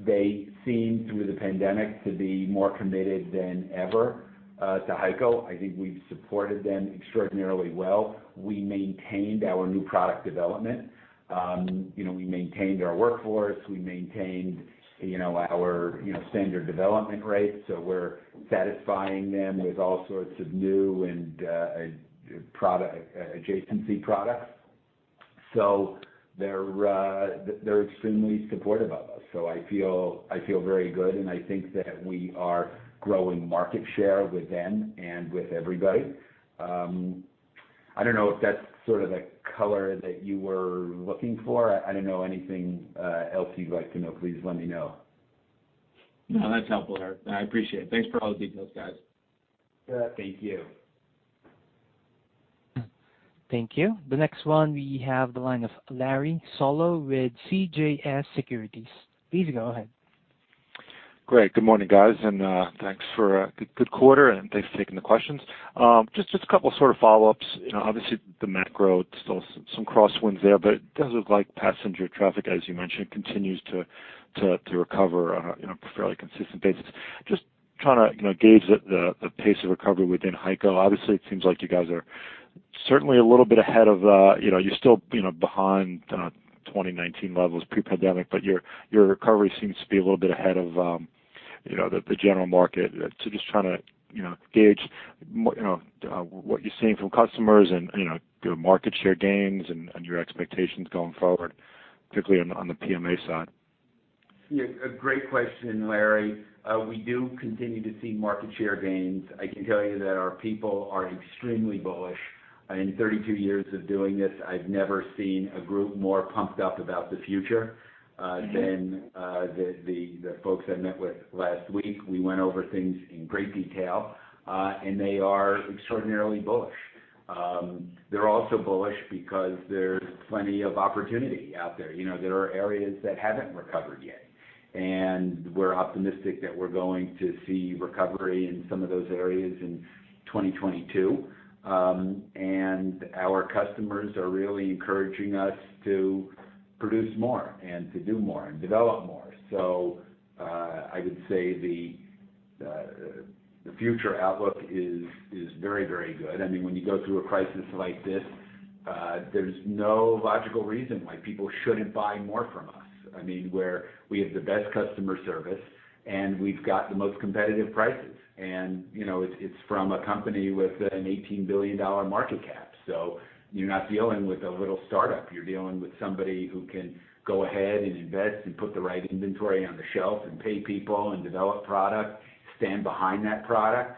They seem, through the pandemic, to be more committed than ever to HEICO. I think we've supported them extraordinarily well. We maintained our new product development. You know, we maintained our workforce. We maintained, you know, our standard development rates. We're satisfying them with all sorts of new and product adjacency products. They're extremely supportive of us, so I feel very good, and I think that we are growing market share with them and with everybody. I don't know if that's sort of the color that you were looking for. I don't know anything else you'd like to know. Please let me know. No, that's helpful, Eric. I appreciate it. Thanks for all the details, guys. Thank you. Thank you. The next one, we have the line of Larry Solow with CJS Securities. Please go ahead. Great. Good morning, guys, and thanks for a good quarter, and thanks for taking the questions. Just a couple sort of follow-ups. You know, obviously, the macro, still some crosswinds there, but it does look like passenger traffic, as you mentioned, continues to recover on a, you know, fairly consistent basis. Just trying to, you know, gauge the pace of recovery within HEICO. Obviously, it seems like you guys are certainly a little bit ahead of, you know, you're still, you know, behind 2019 levels pre-pandemic, but your recovery seems to be a little bit ahead of, you know, the general market. Just trying to, you know, gauge more, you know, what you're seeing from customers and, you know, your market share gains and your expectations going forward, particularly on the PMA side. Yeah. A great question, Larry. We do continue to see market share gains. I can tell you that our people are extremely bullish. In 32 years of doing this, I've never seen a group more pumped up about the future than the folks I met with last week. We went over things in great detail, and they are extraordinarily bullish. They're also bullish because there's plenty of opportunity out there. You know, there are areas that haven't recovered yet, and we're optimistic that we're going to see recovery in some of those areas in 2022. Our customers are really encouraging us to produce more and to do more and develop more. I would say the future outlook is very, very good. I mean, when you go through a crisis like this, there's no logical reason why people shouldn't buy more from us. I mean, we have the best customer service, and we've got the most competitive prices. You know, it's from a company with an $18 billion market cap. You're not dealing with a little startup. You're dealing with somebody who can go ahead and invest and put the right inventory on the shelf and pay people and develop product, stand behind that product.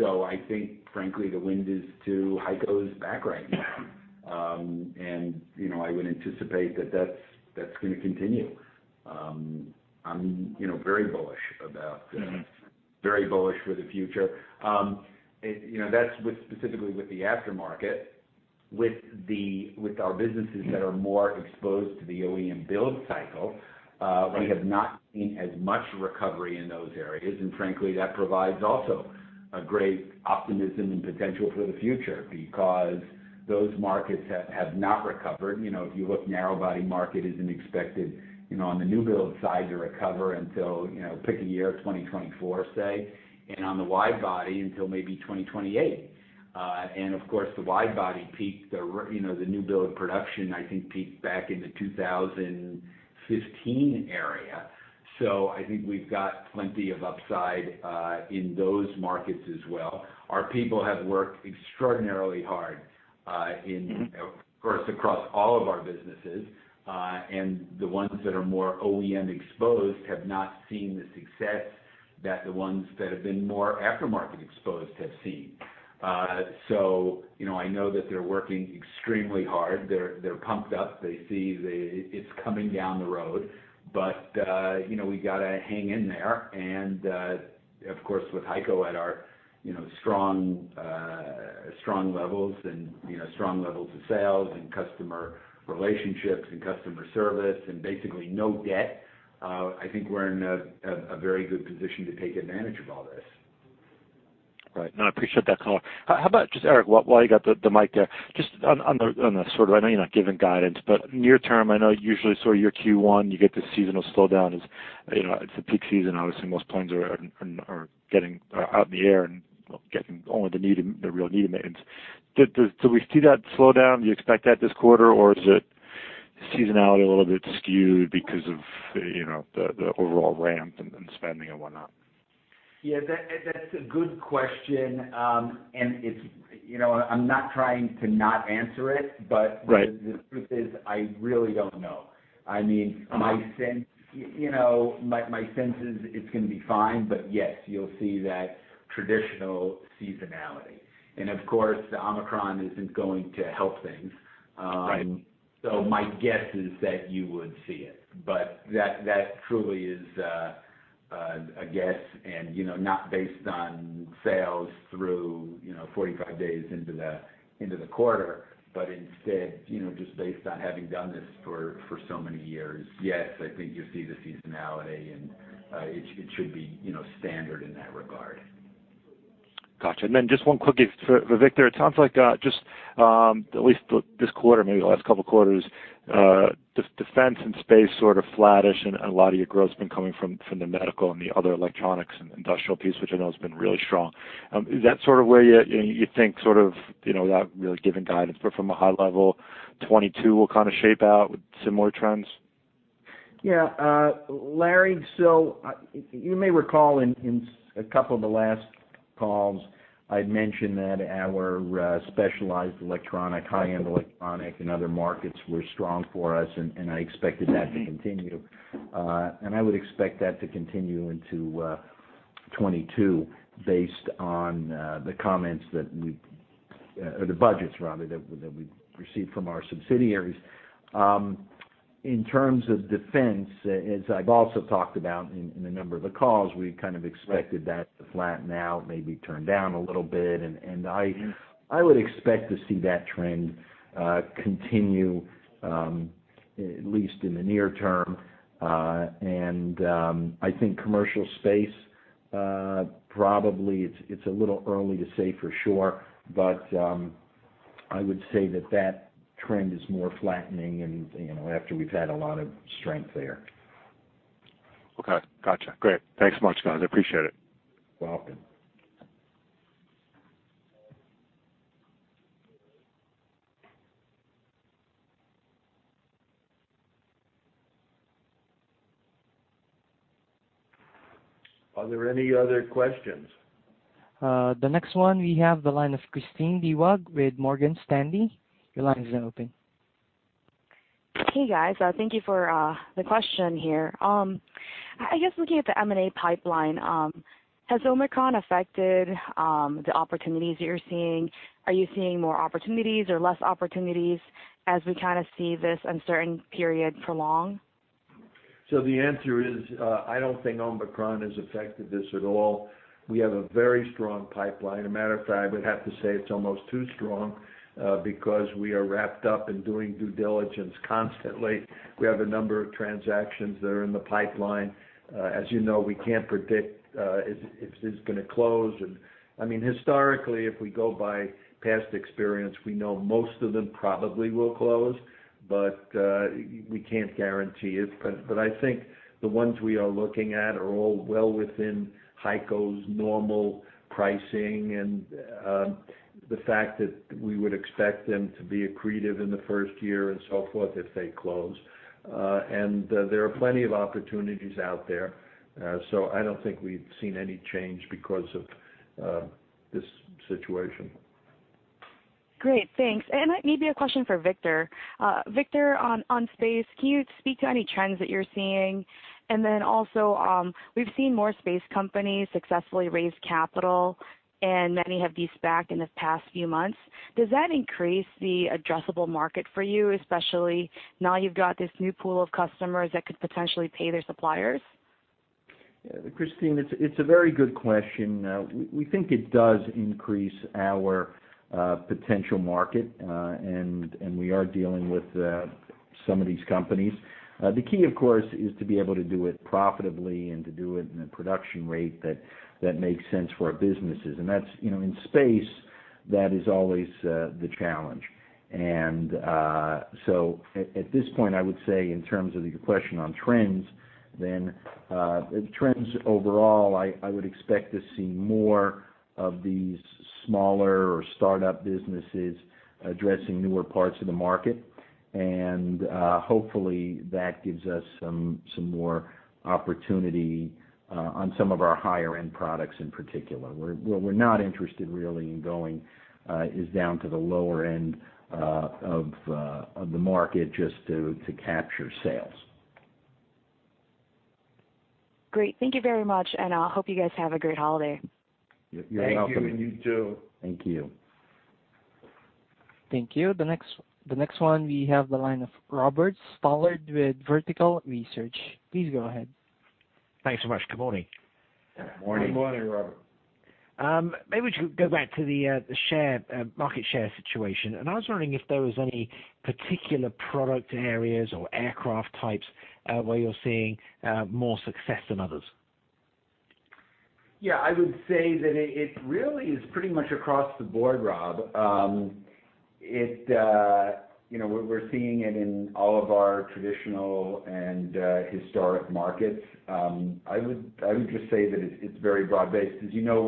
I think, frankly, the wind is to HEICO's back right now. You know, I would anticipate that that's gonna continue. I'm very bullish for the future. You know, that's specifically with the aftermarket. With our businesses that are more exposed to the OEM build cycle, we have not seen as much recovery in those areas. Frankly, that provides also a great optimism and potential for the future because those markets have not recovered. You know, if you look narrow body market isn't expected, you know, on the new build side to recover until, you know, pick a year, 2024, say, and on the wide body until maybe 2028. Of course, the wide body peaked, you know, the new build production, I think, peaked back in the 2015 area. I think we've got plenty of upside in those markets as well. Our people have worked extraordinarily hard, in, of course, across all of our businesses. The ones that are more OEM exposed have not seen the success that the ones that have been more aftermarket exposed have seen. You know, I know that they're working extremely hard. They're pumped up. They see it's coming down the road. You know, we gotta hang in there. Of course, with HEICO at our, you know, strong levels and, you know, strong levels of sales and customer relationships and customer service and basically no debt, I think we're in a very good position to take advantage of all this. Right. No, I appreciate that color. How about just, Eric, while you got the mic there, just on the sort of—I know you're not giving guidance, but near term, I know usually sort of your Q1, you get the seasonal slowdown as, you know, it's the peak season, obviously, most planes are getting out in the air and getting only the real need maintenance. Do we see that slowdown? Do you expect that this quarter, or is it seasonality a little bit skewed because of, you know, the overall ramp and spending and whatnot? Yeah, that's a good question. It's, you know, I'm not trying to not answer it, but. Right The truth is, I really don't know. I mean, my sense, you know, my sense is it's gonna be fine, but yes, you'll see that traditional seasonality. Of course, the Omicron isn't going to help things. Right My guess is that you would see it. That truly is a guess and, you know, not based on sales through, you know, 45 days into the quarter. Instead, you know, just based on having done this for so many years. Yes, I think you'll see the seasonality and it should be, you know, standard in that regard. Gotcha. Just one quickie for Victor. It sounds like just at least for this quarter, maybe the last couple of quarters, just defense and space sort of flattish and a lot of your growth's been coming from the medical and the other electronics and industrial piece, which I know has been really strong. Is that sort of where you think sort of, you know, without really giving guidance, but from a high level, 2022 will kind of shape out with similar trends? Yeah. Larry, so you may recall in a couple of the last calls, I'd mentioned that our specialized electronic, high-end electronic and other markets were strong for us, and I expected that to continue. I would expect that to continue into 2022 based on the budgets rather that we've received from our subsidiaries. In terms of defense, as I've also talked about in a number of the calls, we kind of expected that to flatten out, maybe turn down a little bit. I would expect to see that trend continue at least in the near term. I think commercial space, probably it's a little early to say for sure, but I would say that trend is more flattening and, you know, after we've had a lot of strength there. Okay. Gotcha. Great. Thanks much, guys. I appreciate it. Welcome. Are there any other questions? The next one, we have the line of Kristine Liwag with Morgan Stanley. Your line is open. Hey, guys. Thank you for the question here. I guess looking at the M&A pipeline, has Omicron affected the opportunities that you're seeing? Are you seeing more opportunities or less opportunities as we kind of see this uncertain period prolong? The answer is, I don't think Omicron has affected this at all. We have a very strong pipeline. As a matter of fact, I would have to say it's almost too strong, because we are wrapped up in doing due diligence constantly. We have a number of transactions that are in the pipeline. As you know, we can't predict if it's gonna close. I mean, historically, if we go by past experience, we know most of them probably will close, but we can't guarantee it. But I think the ones we are looking at are all well within HEICO's normal pricing and the fact that we would expect them to be accretive in the first year and so forth if they close. And there are plenty of opportunities out there. I don't think we've seen any change because of this situation. Great, thanks. Maybe a question for Victor. Victor, on space, can you speak to any trends that you're seeing? We've seen more space companies successfully raise capital, and many have de-SPACed in the past few months. Does that increase the addressable market for you, especially now you've got this new pool of customers that could potentially pay their suppliers? Kristine, it's a very good question. We think it does increase our potential market, and we are dealing with some of these companies. The key, of course, is to be able to do it profitably and to do it in a production rate that makes sense for our businesses. That's, you know, in space, that is always the challenge. So at this point, I would say in terms of your question on trends, then, trends overall, I would expect to see more of these smaller or startup businesses addressing newer parts of the market. Hopefully, that gives us some more opportunity on some of our higher-end products in particular. Where we're not interested really in going of the market just to capture sales. Great. Thank you very much, and I hope you guys have a great holiday. You're welcome. Thank you, and you too. Thank you. Thank you. The next one, we have the line of Robert Stallard with Vertical Research. Please go ahead. Thanks so much. Good morning. Good morning. Good morning, Robert. Maybe we should go back to the market share situation. I was wondering if there was any particular product areas or aircraft types where you're seeing more success than others. I would say that it really is pretty much across the board, Rob. You know, we're seeing it in all of our traditional and historic markets. I would just say that it's very broad-based. As you know,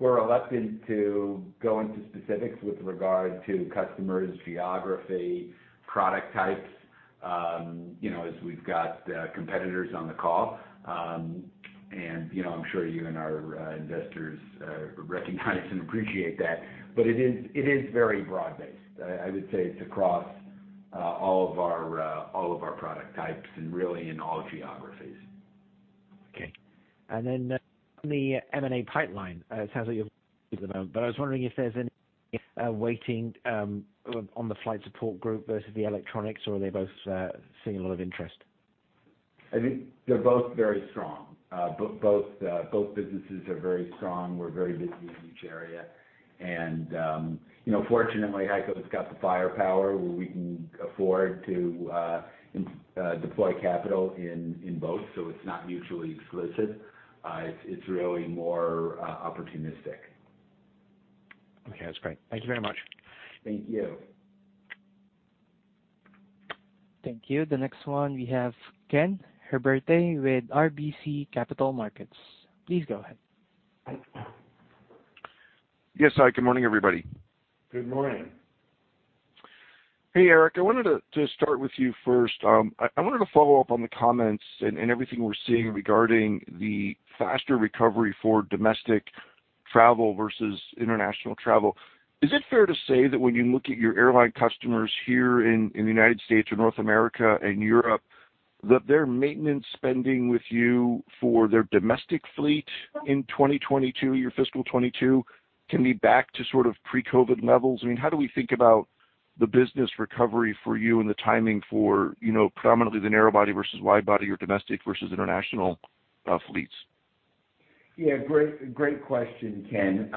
we're reluctant to go into specifics with regard to customers, geography, product types. You know, as we've got competitors on the call, and you know, I'm sure you and our investors recognize and appreciate that. It is very broad-based. I would say it's across all of our product types and really in all geographies. Okay. On the M&A pipeline, I was wondering if there's any weighting on the Flight Support Group versus the electronics, or are they both seeing a lot of interest? I think they're both very strong. Both businesses are very strong. We're very busy in each area. You know, fortunately, HEICO's got the firepower where we can afford to deploy capital in both, so it's not mutually exclusive. It's really more opportunistic. Okay. That's great. Thank you very much. Thank you. Thank you. The next one we have Kenneth Herbert with RBC Capital Markets. Please go ahead. Yes. Hi, good morning, everybody. Good morning. Hey, Eric. I wanted to start with you first. I wanted to follow up on the comments and everything we're seeing regarding the faster recovery for domestic travel versus international travel. Is it fair to say that when you look at your airline customers here in the United States or North America and Europe, that their maintenance spending with you for their domestic fleet in 2022, your fiscal 2022, can be back to sort of pre-COVID levels? I mean, how do we think about the business recovery for you and the timing for, you know, predominantly the narrow body versus wide body or domestic versus international fleets? Yeah. Great question, Ken.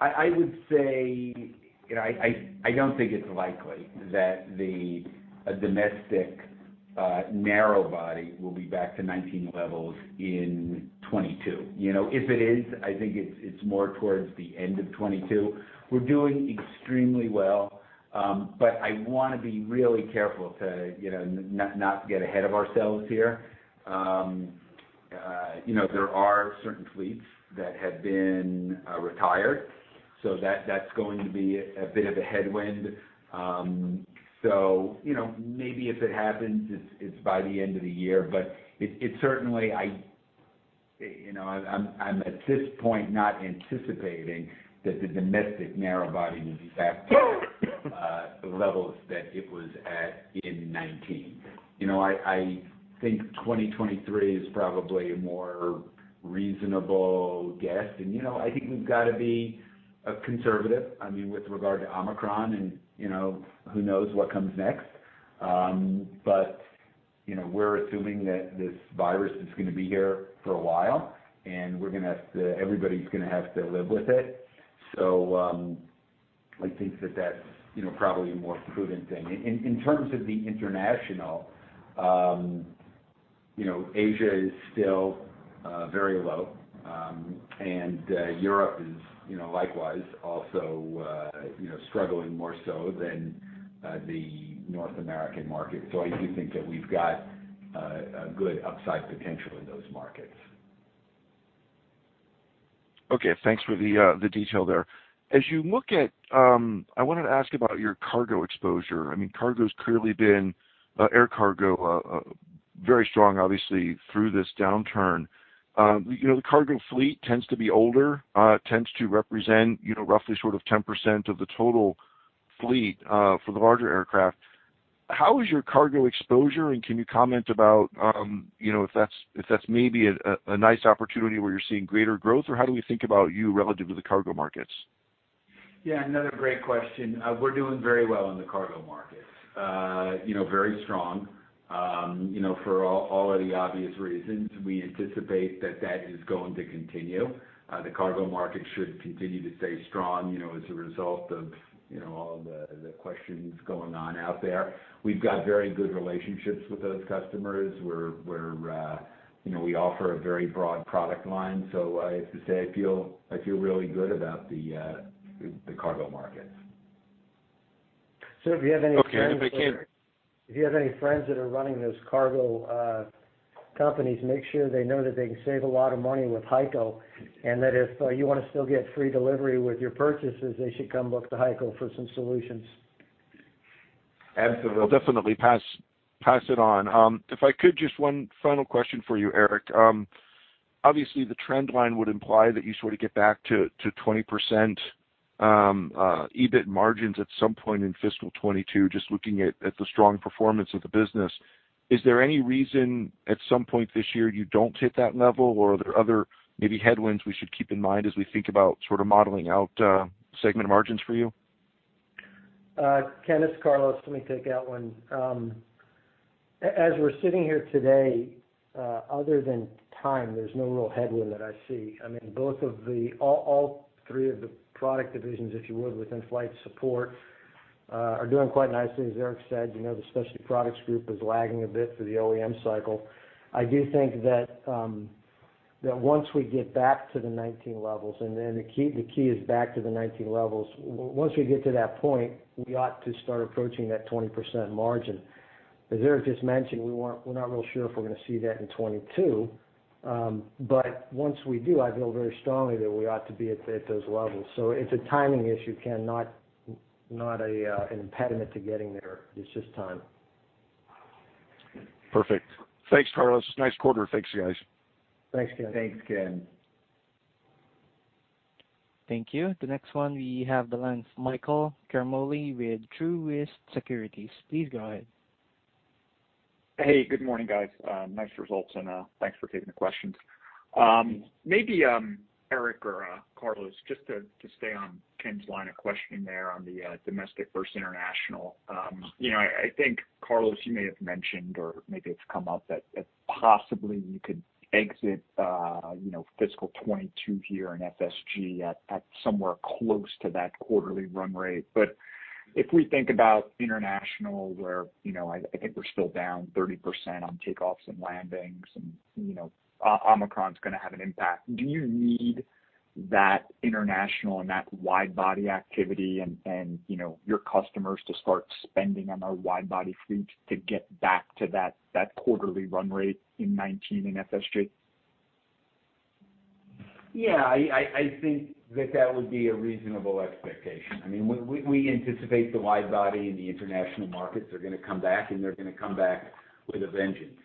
I would say, you know, I don't think it's likely that the domestic narrow body will be back to 2019 levels in 2022. You know, if it is, I think it's more towards the end of 2022. We're doing extremely well, but I wanna be really careful to, you know, not get ahead of ourselves here. You know, there are certain fleets that have been retired, so that's going to be a bit of a headwind. So, you know, maybe if it happens, it's by the end of the year. But it certainly. You know, I'm at this point not anticipating that the domestic narrow body would be back to levels that it was at in 2019. You know, I think 2023 is probably a more reasonable guess. You know, I think we've gotta be conservative, I mean, with regard to Omicron and, you know, who knows what comes next. You know, we're assuming that this virus is gonna be here for a while, and everybody's gonna have to live with it. I think that's probably a more prudent thing. In terms of the international, you know, Asia is still very low. Europe is, you know, likewise also, you know, struggling more so than the North American market. I do think that we've got a good upside potential in those markets. Okay, thanks for the detail there. I wanted to ask about your cargo exposure. I mean, air cargo's clearly been very strong obviously through this downturn. You know, the cargo fleet tends to be older, tends to represent, you know, roughly sort of 10% of the total fleet, for the larger aircraft. How is your cargo exposure, and can you comment about, you know, if that's maybe a nice opportunity where you're seeing greater growth, or how do we think about you relative to the cargo markets? Yeah, another great question. We're doing very well in the cargo markets, very strong. For all of the obvious reasons, we anticipate that is going to continue. The cargo market should continue to stay strong as a result of all the questions going on out there. We've got very good relationships with those customers, where we offer a very broad product line. I have to say, I feel really good about the cargo markets. If you have any friends that are Okay. If Ken- If you have any friends that are running those cargo companies, make sure they know that they can save a lot of money with HEICO, and that if you wanna still get free delivery with your purchases, they should come look to HEICO for some solutions. Absolutely. I'll definitely pass it on. If I could, just one final question for you, Eric. Obviously the trend line would imply that you sort of get back to 20% EBIT margins at some point in fiscal 2022, just looking at the strong performance of the business. Is there any reason at some point this year you don't hit that level, or are there other maybe headwinds we should keep in mind as we think about sort of modeling out segment margins for you? Ken, it's Carlos. Let me take that one. As we're sitting here today, other than time, there's no real headwind that I see. I mean, all three of the product divisions, if you would, within flight support, are doing quite nicely, as Eric said. You know, the specialty products group is lagging a bit for the OEM cycle. I do think that once we get back to the 2019 levels, and then the key is back to the 2019 levels. Once we get to that point, we ought to start approaching that 20% margin. As Eric just mentioned, we're not real sure if we're gonna see that in 2022. Once we do, I feel very strongly that we ought to be at those levels. It's a timing issue, Ken, not an impediment to getting there. It's just time. Perfect. Thanks, Carlos. Nice quarter. Thanks, guys. Thanks, Ken. Thanks, Ken. Thank you. The next one we have the line of Michael Ciarmoli with Truist Securities. Please go ahead. Hey, good morning, guys. Nice results, and thanks for taking the questions. Maybe Eric or Carlos, just to stay on Ken's line of questioning there on the domestic versus international. You know, I think, Carlos, you may have mentioned or maybe it's come up that possibly you could exit, you know, fiscal 2022 here in FSG at somewhere close to that quarterly run rate. If we think about international where, you know, I think we're still down 30% on takeoffs and landings, and, you know, Omicron is gonna have an impact. Do you need that international and that wide body activity and, you know, your customers to start spending on our wide body fleet to get back to that quarterly run rate in 2019 in FSG? Yeah. I think that would be a reasonable expectation. I mean, we anticipate the wide body and the international markets are gonna come back, and they're gonna come back with a vengeance.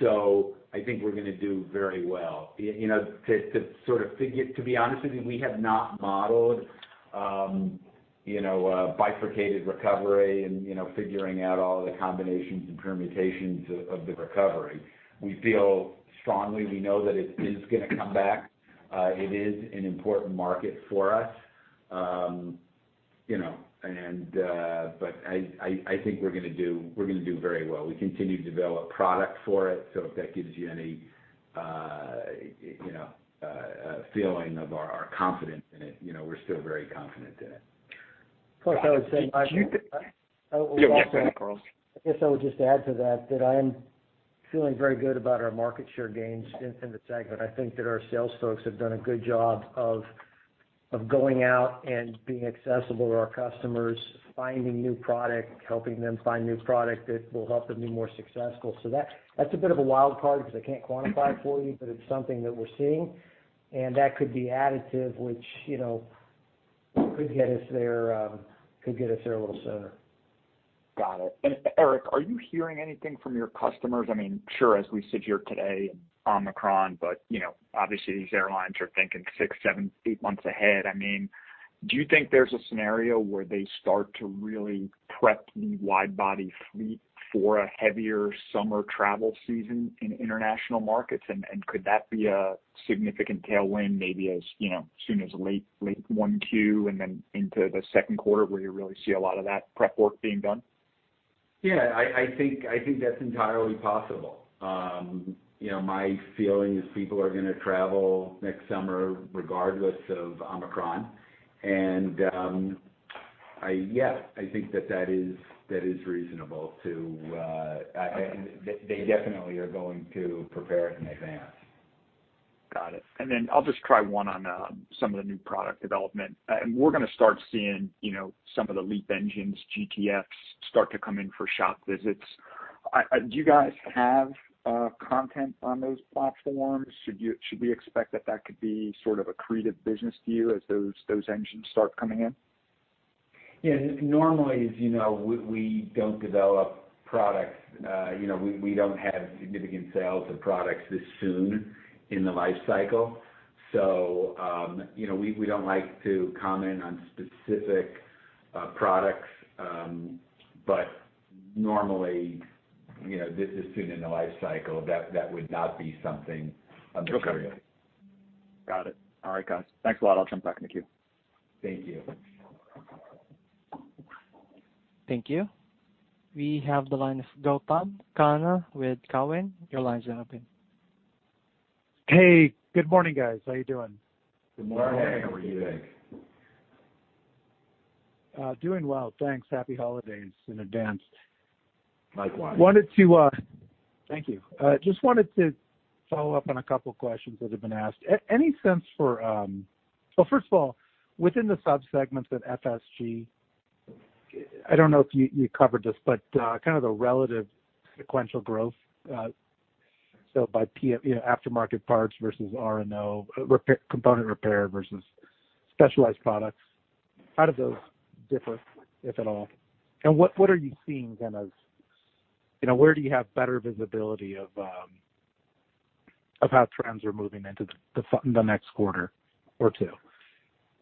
So I think we're gonna do very well. You know, to be honest with you, we have not modeled a bifurcated recovery and figuring out all the combinations and permutations of the recovery. We feel strongly. We know that it is gonna come back. It is an important market for us. You know, and I think we're gonna do very well. We continue to develop product for it, so if that gives you any, you know, a feeling of our confidence in it, you know, we're still very confident in it. Of course, I would say, Michael. Did you think- I would also- Yeah. Go ahead, Carlos. I guess I would just add to that I am feeling very good about our market share gains in the segment. I think that our sales folks have done a good job of going out and being accessible to our customers, finding new product, helping them find new product that will help them be more successful. So that's a bit of a wild card because I can't quantify it for you, but it's something that we're seeing. That could be additive, which, you know, could get us there, could get us there a little sooner. Got it. Eric, are you hearing anything from your customers? I mean, sure, as we sit here today and Omicron, but, you know, obviously these airlines are thinking six, seven, eight months ahead. I mean, do you think there's a scenario where they start to really prep the wide body fleet for a heavier summer travel season in international markets? and could that be a significant tailwind maybe as, you know, soon as late 1Q and then into the second quarter where you really see a lot of that prep work being done? Yeah. I think that's entirely possible. You know, my feeling is people are gonna travel next summer regardless of Omicron. Yes, I think that is reasonable. Okay. They definitely are going to prepare in advance. Got it. I'll just try one on some of the new product development. We're gonna start seeing some of the LEAP engines, GTFs start to come in for shop visits. Do you guys have content on those platforms? Should we expect that could be sort of accretive business to you as those engines start coming in? Yeah. Normally, as you know, we don't develop products. You know, we don't have significant sales of products this soon in the life cycle. You know, we don't like to comment on specific products. Normally, you know, this is soon in the life cycle. That would not be something of material. Okay. Got it. All right, guys. Thanks a lot. I'll jump back in the queue. Thank you. Thank you. We have the line of Gautam Khanna with Cowen. Your line is open. Hey, good morning, guys. How are you doing? Good morning. Good morning. How are you today? Doing well. Thanks. Happy holidays in advance. Likewise. wanted to thank you. Just wanted to follow up on a couple questions that have been asked. Any sense for? Well, first of all, within the sub-segments at FSG, I don't know if you covered this, but kind of the relative sequential growth, so by PMA, you know, aftermarket parts versus R&O, repair, component repair versus specialized products, how do those differ, if at all? And what are you seeing kind of, you know, where do you have better visibility of how trends are moving into the next quarter or two?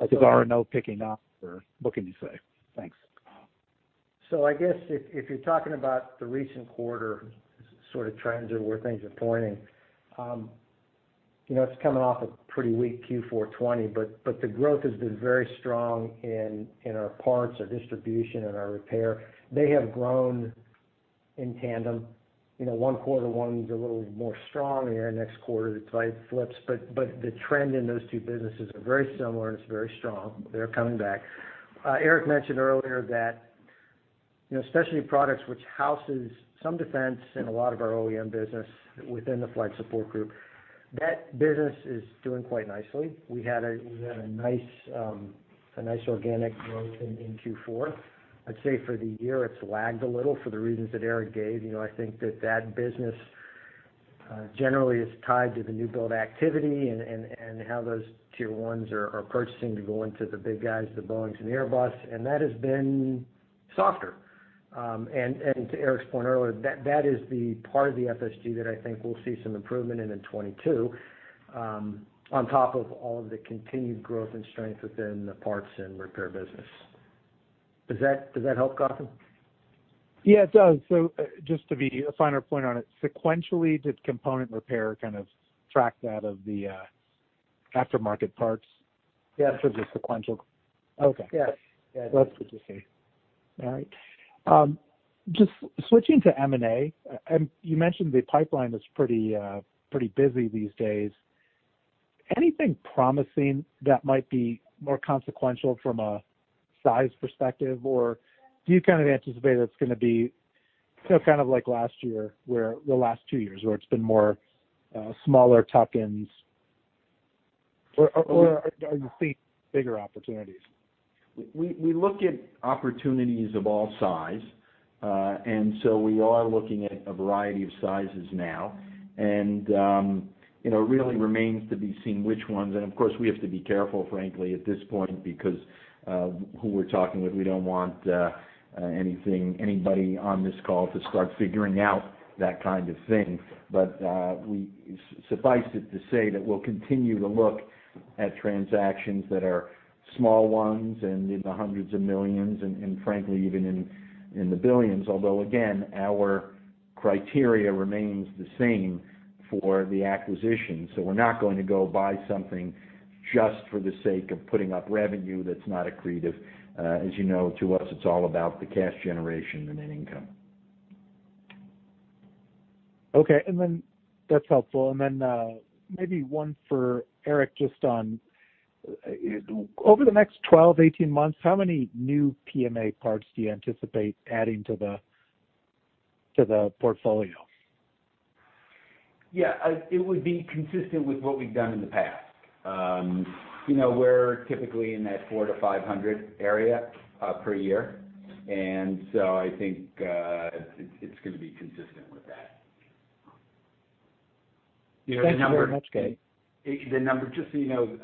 Is R&O picking up or what can you say? Thanks. I guess if you're talking about the recent quarter sort of trends or where things are pointing, you know, it's coming off a pretty weak Q4 2020, but the growth has been very strong in our parts, our distribution, and our repair. They have grown in tandem. You know, one quarter, one is a little more strong, and then next quarter it flips. But the trend in those two businesses are very similar, and it's very strong. They're coming back. Eric mentioned earlier that, you know, specialty products, which houses some defense and a lot of our OEM business within the Flight Support Group. That business is doing quite nicely. We had a nice organic growth in Q4. I'd say for the year, it's lagged a little for the reasons that Eric gave. You know, I think that business generally is tied to the new build activity and how those tier ones are purchasing to go into the big guys, the Boeings and Airbus, and that has been softer. To Eric's point earlier, that is the part of the FSG that I think we'll see some improvement in in 2022 on top of all of the continued growth and strength within the parts and repair business. Does that help, Gautam? Yeah, it does. Just to be a finer point on it, sequentially, did component repair kind of track that of the aftermarket parts? Yeah. For the sequential Yes. Okay. Yes. That's good to see. All right. Just switching to M&A, you mentioned the pipeline is pretty busy these days. Anything promising that might be more consequential from a size perspective, or do you kind of anticipate it's gonna be still kind of like last year, the last two years where it's been more, smaller tuck-ins? Or are you seeing bigger opportunities? We look at opportunities of all size. We are looking at a variety of sizes now. You know, it really remains to be seen which ones. Of course, we have to be careful, frankly, at this point because who we're talking with, we don't want anybody on this call to start figuring out that kind of thing. Suffice it to say that we'll continue to look at transactions that are small ones and in the hundreds of millions and frankly, even in the billions. Although, again, our criteria remains the same for the acquisition. We're not going to go buy something just for the sake of putting up revenue that's not accretive. As you know, to us, it's all about the cash generation and net income. Okay. That's helpful. Maybe one for Eric, just on over the next 12, 18 months, how many new PMA parts do you anticipate adding to the portfolio? Yeah, it would be consistent with what we've done in the past. You know, we're typically in that 400-500 area per year. I think it's gonna be consistent with that. Thanks very much, gang. The number, just so you know,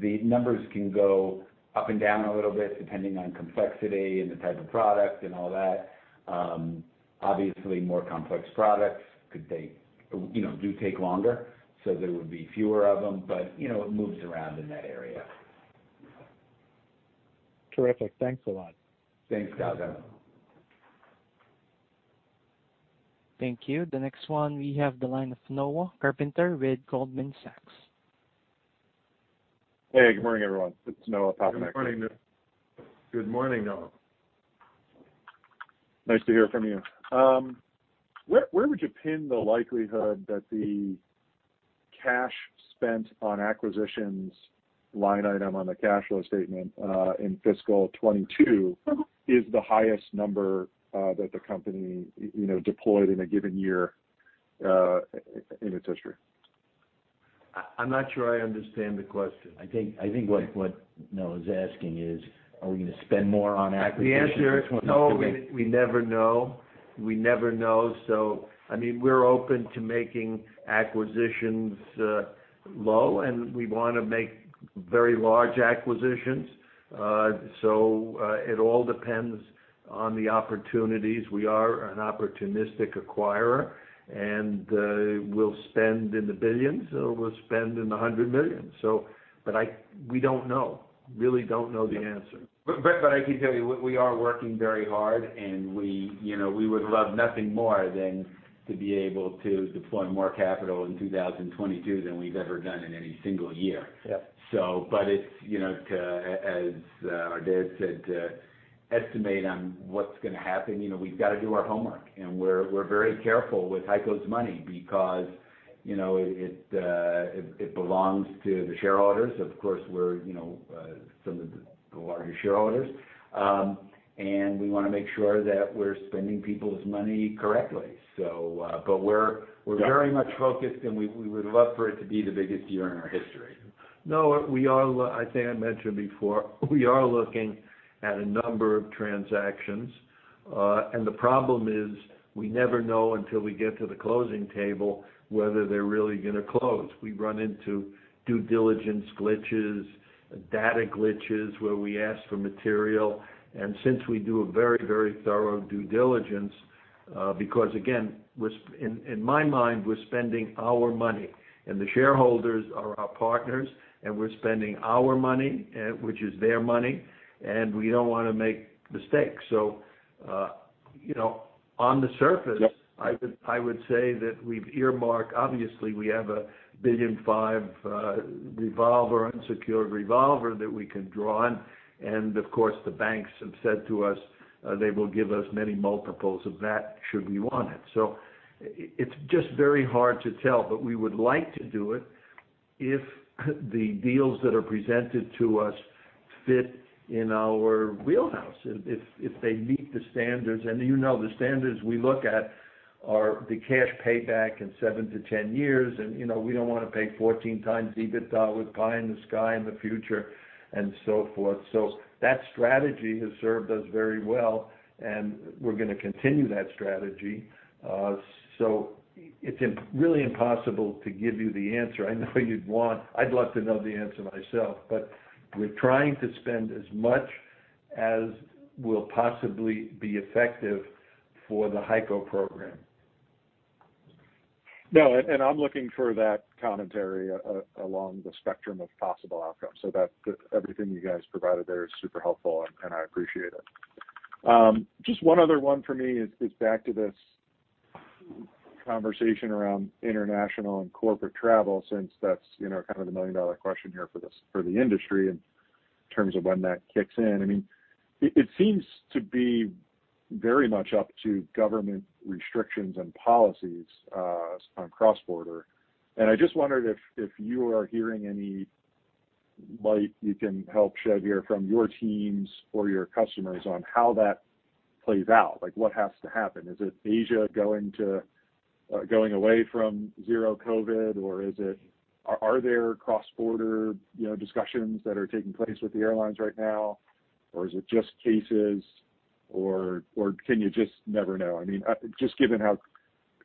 the numbers can go up and down a little bit depending on complexity and the type of product and all that. Obviously, more complex products could take, you know, do take longer, so there would be fewer of them. You know, it moves around in that area. Terrific. Thanks a lot. Thanks, Gautam. Thank you. The next one, we have the line of Noah Poponak with Goldman Sachs. Hey, good morning, everyone. It's Noah Poponak. Good morning, Noah. Nice to hear from you. Where would you pin the likelihood that the cash spent on acquisitions line item on the cash flow statement in fiscal 2022 is the highest number that the company, you know, deployed in a given year in its history? I'm not sure I understand the question. I think what Noah's asking is, are we gonna spend more on acquisitions in this one? The answer is no, we never know. I mean, we're open to making acquisitions, though, and we wanna make very large acquisitions. It all depends on the opportunities. We are an opportunistic acquirer, and we'll spend in the billions, or we'll spend in the hundreds of millions. We really don't know the answer. I can tell you, we are working very hard, and, you know, we would love nothing more than to be able to deploy more capital in 2022 than we've ever done in any single year. Yeah. It's, you know, as Laurans said, to estimate on what's gonna happen, you know, we've got to do our homework, and we're very careful with HEICO's money because, you know, it belongs to the shareholders. Of course, we're, you know, some of the larger shareholders, and we wanna make sure that we're spending people's money correctly. But we're- Yeah. We're very much focused, and we would love for it to be the biggest year in our history. Noah, I think I mentioned before, we are looking at a number of transactions. The problem is we never know until we get to the closing table whether they're really gonna close. We run into due diligence glitches, data glitches where we ask for material. Since we do a very, very thorough due diligence, because again, we're spending, in my mind, we're spending our money, and the shareholders are our partners, and we're spending our money, which is their money, and we don't wanna make mistakes. You know, on the surface. Yep. I would say that we've earmarked. Obviously, we have $1.5 billion revolver, unsecured revolver that we can draw on. Of course, the banks have said to us, they will give us many multiples of that should we want it. It's just very hard to tell, but we would like to do it if the deals that are presented to us. fit in our wheelhouse if they meet the standards. You know the standards we look at are the cash payback in seven-10 years, and, you know, we don't want to pay 14x EBITDA with pie in the sky in the future and so forth. That strategy has served us very well, and we're gonna continue that strategy. It's really impossible to give you the answer I know you'd want. I'd love to know the answer myself. We're trying to spend as much as will possibly be effective for the HEICO program. No, and I'm looking for that commentary along the spectrum of possible outcomes. That's everything you guys provided there is super helpful, and I appreciate it. Just one other one for me is back to this conversation around international and corporate travel, since that's, you know, kind of the million-dollar question here for the industry in terms of when that kicks in. I mean, it seems to be very much up to government restrictions and policies on cross-border. I just wondered if you are hearing any light you can help shed here from your teams or your customers on how that plays out. Like, what has to happen? Is it Asia going away from zero COVID? Or are there cross-border, you know, discussions that are taking place with the airlines right now? Is it just cases? Can you just never know? I mean, just given how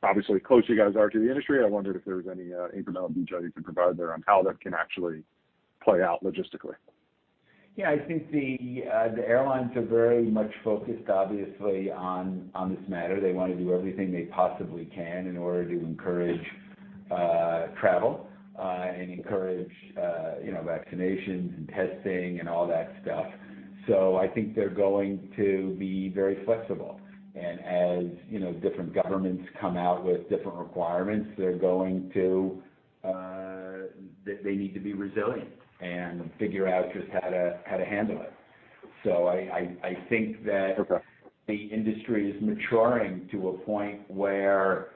obviously close you guys are to the industry, I wondered if there was any, incremental insight you can provide there on how that can actually play out logistically? Yeah, I think the airlines are very much focused, obviously, on this matter. They want to do everything they possibly can in order to encourage travel and encourage you know, vaccinations and testing and all that stuff. I think they're going to be very flexible. As you know, different governments come out with different requirements, they're going to. They need to be resilient and figure out just how to handle it. I think that- Okay The industry is maturing to a point where,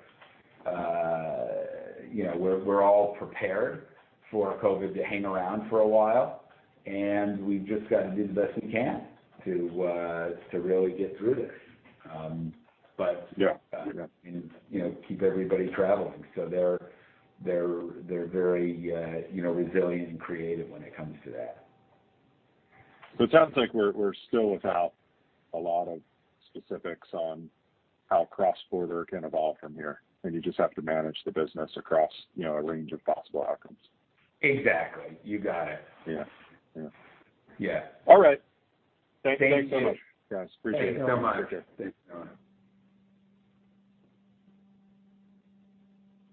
you know, we're all prepared for COVID to hang around for a while, and we've just got to do the best we can to really get through this. Yeah. Yeah and you know, keep everybody traveling. So they're very, you know, resilient and creative when it comes to that. It sounds like we're still without a lot of specifics on how cross-border can evolve from here, and you just have to manage the business across, you know, a range of possible outcomes. Exactly. You got it. Yeah. Yeah. Yeah. All right. Thank you guys so much. Thanks so much. Appreciate it. Thanks so much. Okay. Thanks.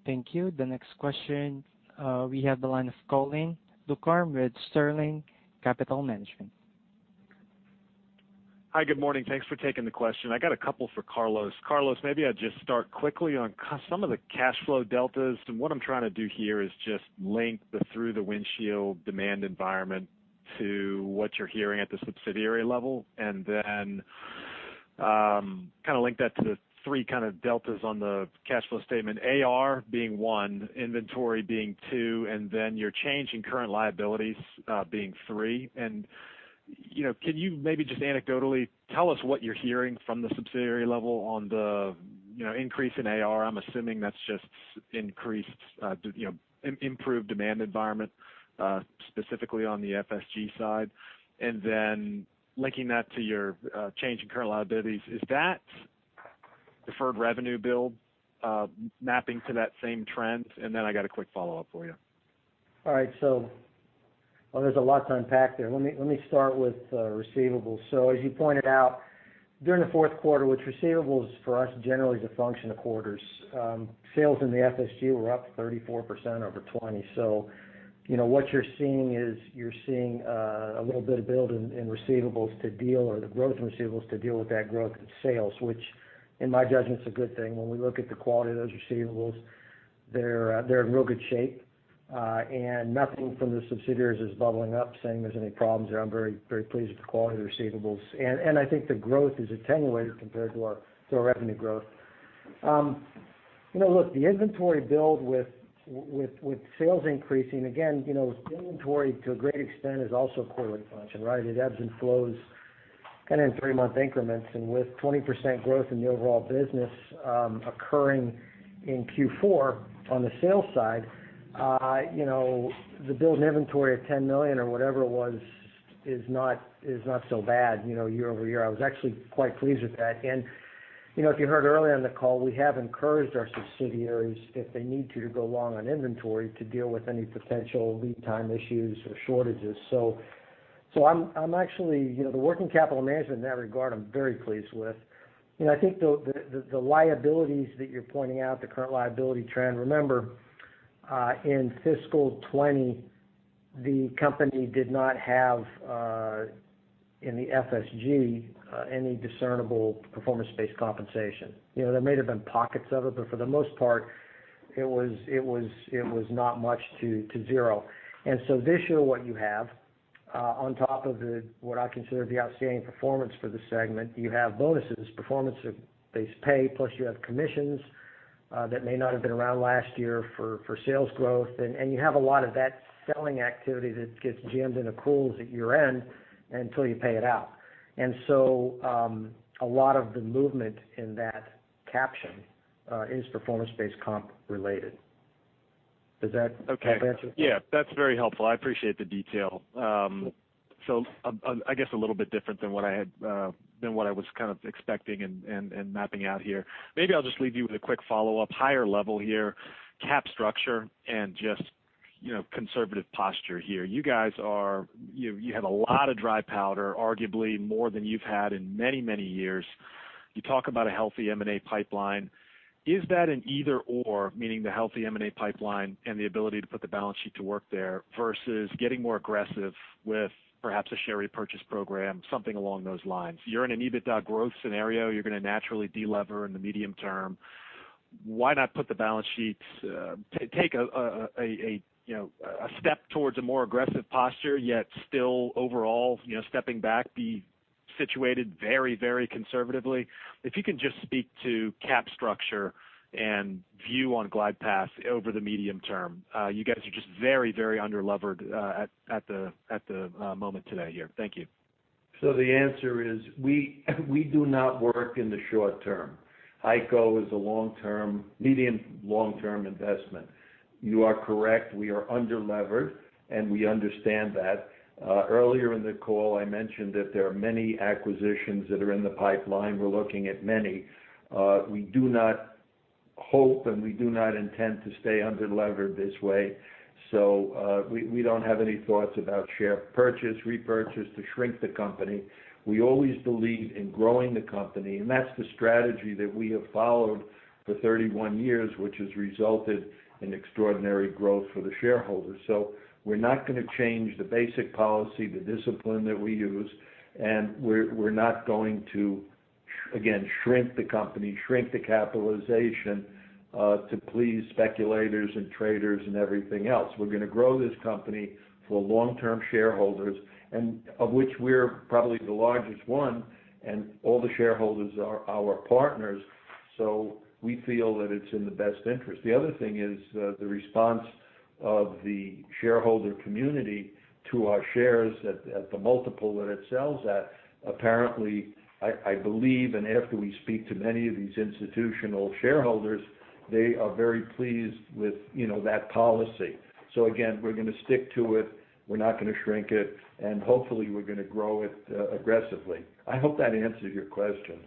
Thank you. The next question, we have the line of Colin Ducharme with Sterling Capital Management. Hi. Good morning. Thanks for taking the question. I got a couple for Carlos. Carlos, maybe I'll just start quickly on some of the cash flow deltas. What I'm trying to do here is just link the through-the-windshield demand environment to what you're hearing at the subsidiary level, and then kind of link that to the three kind of deltas on the cash flow statement, AR being one, inventory being two, and then your change in current liabilities being three. You know, can you maybe just anecdotally tell us what you're hearing from the subsidiary level on the increase in AR? I'm assuming that's just increased improved demand environment specifically on the FSG side. Then linking that to your change in current liabilities, is that deferred revenue build mapping to that same trend? I got a quick follow-up for you. All right. Well, there's a lot to unpack there. Let me start with receivables. As you pointed out, during the fourth quarter, which receivables for us generally is a function of quarter sales in the FSG were up 34% over 2020. You know, what you're seeing is a little bit of build in receivables to deal or the growth in receivables to deal with that growth in sales, which in my judgment is a good thing. When we look at the quality of those receivables, they're in real good shape. Nothing from the subsidiaries is bubbling up, saying there's any problems there. I'm very pleased with the quality of the receivables. I think the growth is attenuated compared to our revenue growth. You know, look, the inventory build with with sales increasing, again, you know, inventory to a great extent is also a quarterly function, right? It ebbs and flows kind of in three-month increments. With 20% growth in the overall business, occurring in Q4 on the sales side, you know, the build in inventory of $10 million or whatever it was is not so bad, you know, year-over-year. I was actually quite pleased with that. You know, if you heard earlier on the call, we have encouraged our subsidiaries, if they need to go long on inventory to deal with any potential lead time issues or shortages. I'm actually. You know, the working capital management in that regard, I'm very pleased with. You know, I think the liabilities that you're pointing out, the current liability trend, remember, in fiscal 2020, the company did not have, in the FSG, any discernible performance-based compensation. You know, there may have been pockets of it, but for the most part, it was not much to zero. This year, what you have, on top of the, what I consider the outstanding performance for the segment, you have bonuses, performance-based pay, plus you have commissions. That may not have been around last year for sales growth. You have a lot of that selling activity that gets jammed into pools at year-end until you pay it out. A lot of the movement in that caption is performance-based comp related. Does that answer your question? Okay. Yeah, that's very helpful. I appreciate the detail. I guess a little bit different than what I had, than what I was kind of expecting and mapping out here. Maybe I'll just leave you with a quick follow-up, higher level here, capital structure and just, you know, conservative posture here. You guys are. You have a lot of dry powder, arguably more than you've had in many, many years. You talk about a healthy M&A pipeline. Is that an either/or, meaning the healthy M&A pipeline and the ability to put the balance sheet to work there versus getting more aggressive with perhaps a share repurchase program, something along those lines? You're in an EBITDA growth scenario, you're gonna naturally de-lever in the medium term. Why not put the balance sheets, you know, a step towards a more aggressive posture, yet still overall, you know, stepping back, be situated very, very conservatively? If you can just speak to capital structure and view on glide path over the medium term. You guys are just very, very under-levered at the moment today here. Thank you. The answer is we do not work in the short term. HEICO is a long-term, medium, long-term investment. You are correct, we are under-levered, and we understand that. Earlier in the call, I mentioned that there are many acquisitions that are in the pipeline. We're looking at many. We do not hope, and we do not intend to stay under-levered this way. We don't have any thoughts about share purchase, repurchase to shrink the company. We always believed in growing the company, and that's the strategy that we have followed for 31 years, which has resulted in extraordinary growth for the shareholders. We're not gonna change the basic policy, the discipline that we use, and we're not going to shrink the company, shrink the capitalization, to please speculators and traders and everything else. We're gonna grow this company for long-term shareholders and of which we're probably the largest one, and all the shareholders are our partners, so we feel that it's in the best interest. The other thing is, the response of the shareholder community to our shares at the multiple that it sells at. Apparently, I believe, and after we speak to many of these institutional shareholders, they are very pleased with, you know, that policy. Again, we're gonna stick to it, we're not gonna shrink it, and hopefully we're gonna grow it, aggressively. I hope that answers your question.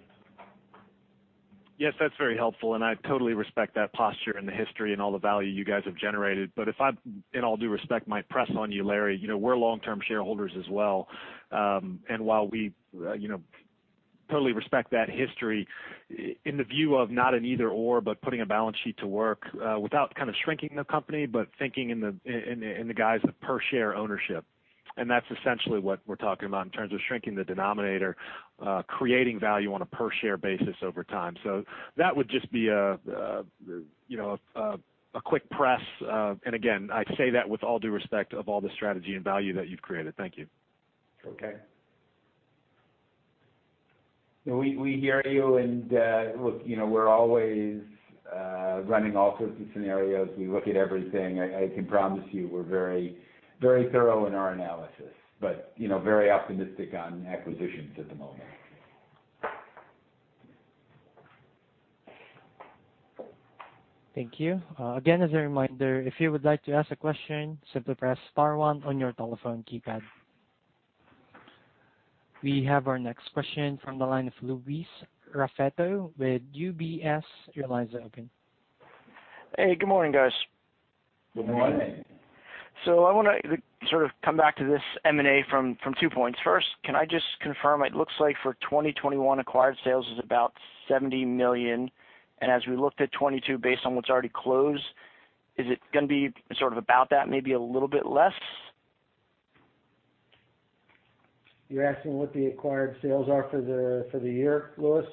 Yes, that's very helpful, and I totally respect that posture and the history and all the value you guys have generated. If I, in all due respect, might press on you, Laurans, you know, we're long-term shareholders as well. While we, you know, totally respect that history in the view of not an either/or, but putting a balance sheet to work, without kind of shrinking the company, but thinking in the guise of per share ownership. That's essentially what we're talking about in terms of shrinking the denominator, creating value on a per share basis over time. That would just be a you know, a quick press. Again, I say that with all due respect of all the strategy and value that you've created. Thank you. Okay. We hear you, and look, you know, we're always running all sorts of scenarios. We look at everything. I can promise you we're very, very thorough in our analysis, but, you know, very optimistic on acquisitions at the moment. Thank you. Again, as a reminder, if you would like to ask a question, simply press star one on your telephone keypad. We have our next question from the line of Louis Raffetto with UBS. Your line's open. Hey, good morning, guys. Good morning. Good morning. I wanna sort of come back to this M&A from two points. First, can I just confirm, it looks like for 2021, acquired sales is about $70 million. As we look at 2022, based on what's already closed, is it gonna be sort of about that, maybe a little bit less? You're asking what the acquired sales are for the year, Louis?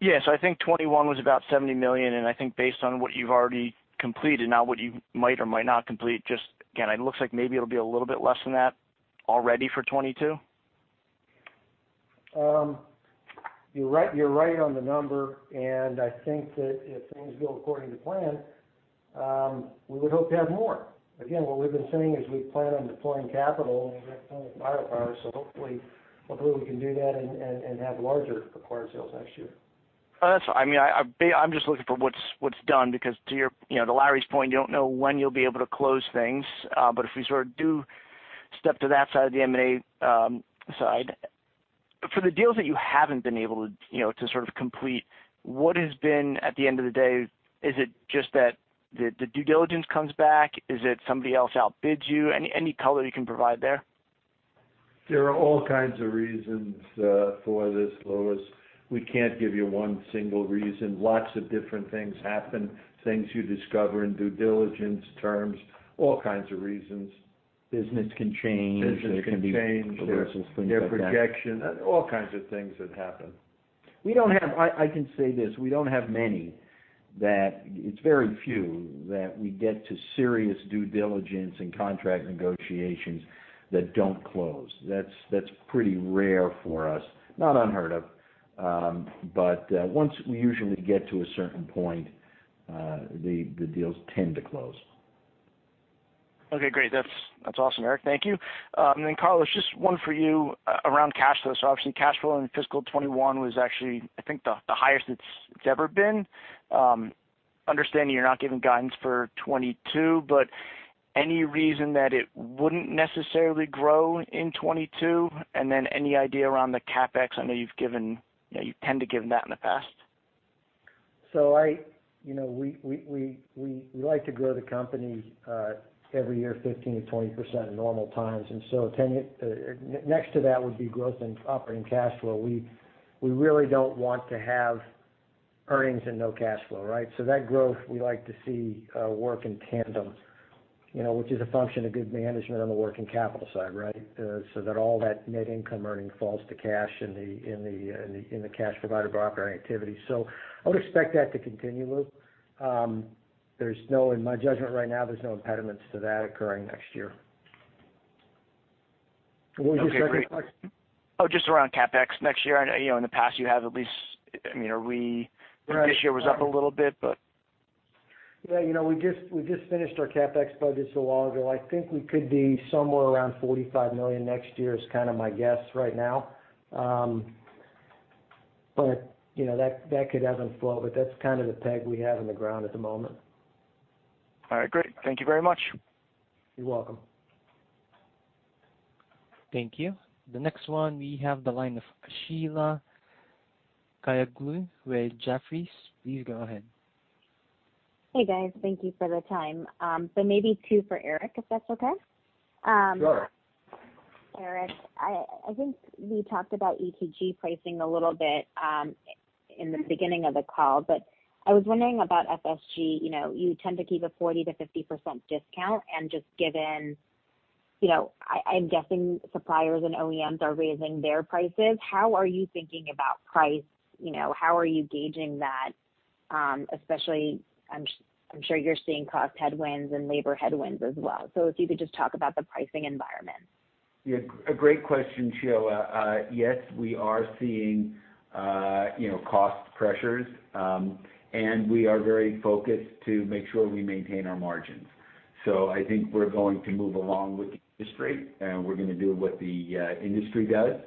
Yes. I think 2021 was about $70 million, and I think based on what you've already completed, not what you might or might not complete, just again, it looks like maybe it'll be a little bit less than that already for 2022. You're right on the number, and I think that if things go according to plan, we would hope to have more. Again, what we've been saying is we plan on deploying capital and we plan on acquiring, so hopefully we can do that and have larger acquired sales next year. Oh, that's fine. I mean, I'm just looking for what's done because to your... You know, to Laurans point, you don't know when you'll be able to close things. If we sort of do step to that side of the M&A, side. For the deals that you haven't been able to, you know, to sort of complete, what has been at the end of the day, is it just that the due diligence comes back? Is it somebody else outbids you? Any color you can provide there? There are all kinds of reasons for this, Louis. We can't give you one single reason. Lots of different things happen. Things you discover in due diligence terms, all kinds of reasons. Business can change. Business can change. There can be regulatory things like that. Their projections. All kinds of things that happen. I can say this, we don't have many. It's very few that we get to serious due diligence and contract negotiations that don't close. That's pretty rare for us, not unheard of. Once we usually get to a certain point, the deals tend to close. Okay, great. That's awesome, Eric. Thank you. Carlos, just one for you around cash flow. Obviously cash flow in fiscal 2021 was actually, I think the highest it's ever been. Understanding you're not giving guidance for 2022, but any reason that it wouldn't necessarily grow in 2022? Any idea around the CapEx? I know you've given. You know, you tend to give that in the past. You know, we like to grow the company every year 15%-20% in normal times. Next to that would be growth in operating cash flow. We really don't want to have earnings and no cash flow, right? That growth we like to see work in tandem, you know, which is a function of good management on the working capital side, right? That all that net income earning falls to cash in the cash provided by operating activity. I would expect that to continue, Louis. In my judgment right now, there's no impediments to that occurring next year. What was your second part? Oh, just around CapEx next year. You know, in the past you have at least. I mean, are we- Right. This year was up a little bit, but. Yeah, you know, we just finished our CapEx budget so long ago. I think we could be somewhere around $45 million next year. It's kinda my guess right now. You know, that could ebb and flow, but that's kind of the peg we have in the ground at the moment. All right, great. Thank you very much. You're welcome. Thank you. The next one, we have the line of Sheila Kahyaoglu with Jefferies. Please go ahead. Hey, guys. Thank you for the time. Maybe two for Eric, if that's okay. Sure. Eric, I think we talked about ETG pricing a little bit in the beginning of the call. I was wondering about FSG. You know, you tend to keep a 40%-50% discount. Just given, you know, I'm guessing suppliers and OEMs are raising their prices. How are you thinking about price? You know, how are you gauging that, especially I'm sure you're seeing cost headwinds and labor headwinds as well. If you could just talk about the pricing environment. Yeah. A great question, Sheila. Yes, we are seeing, you know, cost pressures. We are very focused to make sure we maintain our margins. I think we're going to move along with the industry, and we're gonna do what the industry does.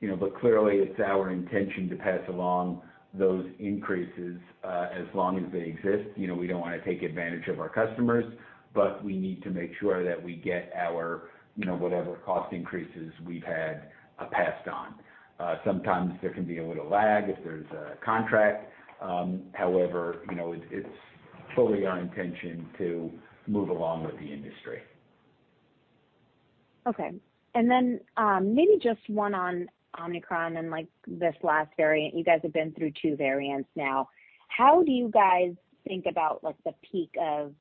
You know, but clearly it's our intention to pass along those increases as long as they exist. You know, we don't wanna take advantage of our customers, but we need to make sure that we get our, you know, whatever cost increases we've had passed on. Sometimes there can be a little lag if there's a contract. However, you know, it's totally our intention to move along with the industry. Okay. Maybe just one on Omicron and, like, this last variant. You guys have been through two variants now. How do you guys think about, like, the peak of,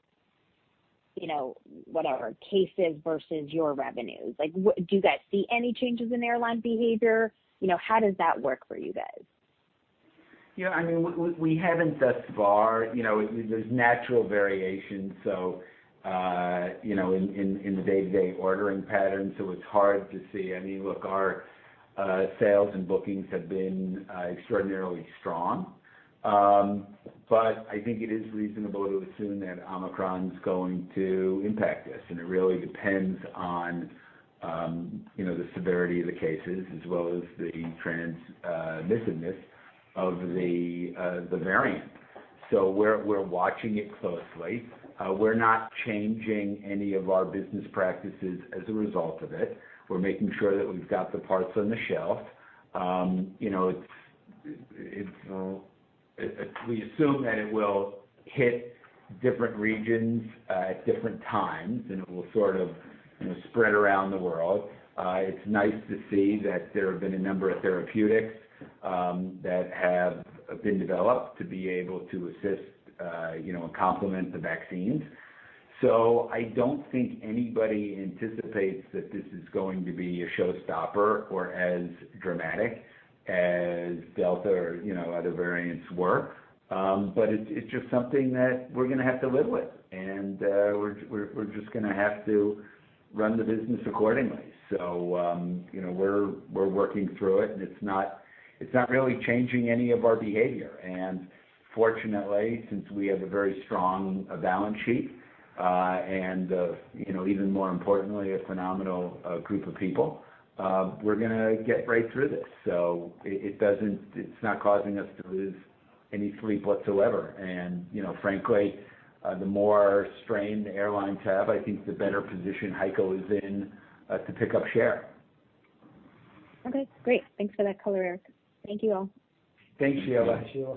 you know, whatever, cases versus your revenues? Like, do you guys see any changes in airline behavior? You know, how does that work for you guys? Yeah. I mean, we haven't thus far. You know, there's natural variation, so you know, in the day-to-day ordering patterns, so it's hard to see. I mean, look, our sales and bookings have been extraordinarily strong. I think it is reasonable to assume that Omicron is going to impact us, and it really depends on you know, the severity of the cases as well as the transmissiveness of the variant. We're watching it closely. We're not changing any of our business practices as a result of it. We're making sure that we've got the parts on the shelf. You know, we assume that it will hit different regions at different times, and it will sort of spread around the world. It's nice to see that there have been a number of therapeutics that have been developed to be able to assist, you know, and complement the vaccines. I don't think anybody anticipates that this is going to be a showstopper or as dramatic as Delta or, you know, other variants were. It's just something that we're gonna have to live with. We're just gonna have to run the business accordingly. We're working through it, and it's not really changing any of our behavior. Fortunately, since we have a very strong balance sheet and, you know, even more importantly, a phenomenal group of people, we're gonna get right through this. It's not causing us to lose any sleep whatsoever. You know, frankly, the more strain the airlines have, I think the better position HEICO is in to pick up share. Okay, great. Thanks for that color, Eric. Thank you all. Thanks, Sheila. Thanks, Sheila.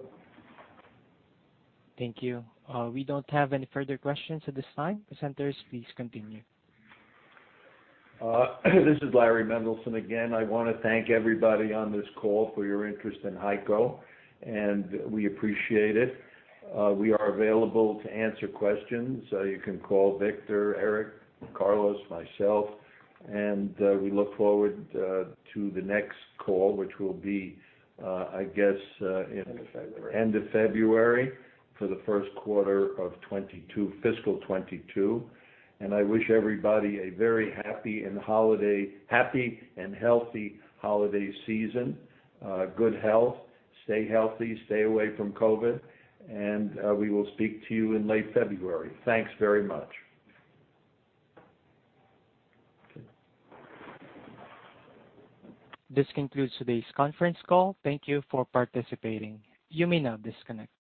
Thank you. We don't have any further questions at this time. Presenters, please continue. This is Laurans Mendelson again. I wanna thank everybody on this call for your interest in HEICO, and we appreciate it. We are available to answer questions. You can call Victor, Eric, Carlos, myself. We look forward to the next call, which will be, I guess, in- End of February. End of February for the first quarter of 2022, fiscal 2022. I wish everybody a very happy and healthy holiday season. Good health. Stay healthy. Stay away from COVID. We will speak to you in late February. Thanks very much. This concludes today's conference call. Thank you for participating. You may now disconnect.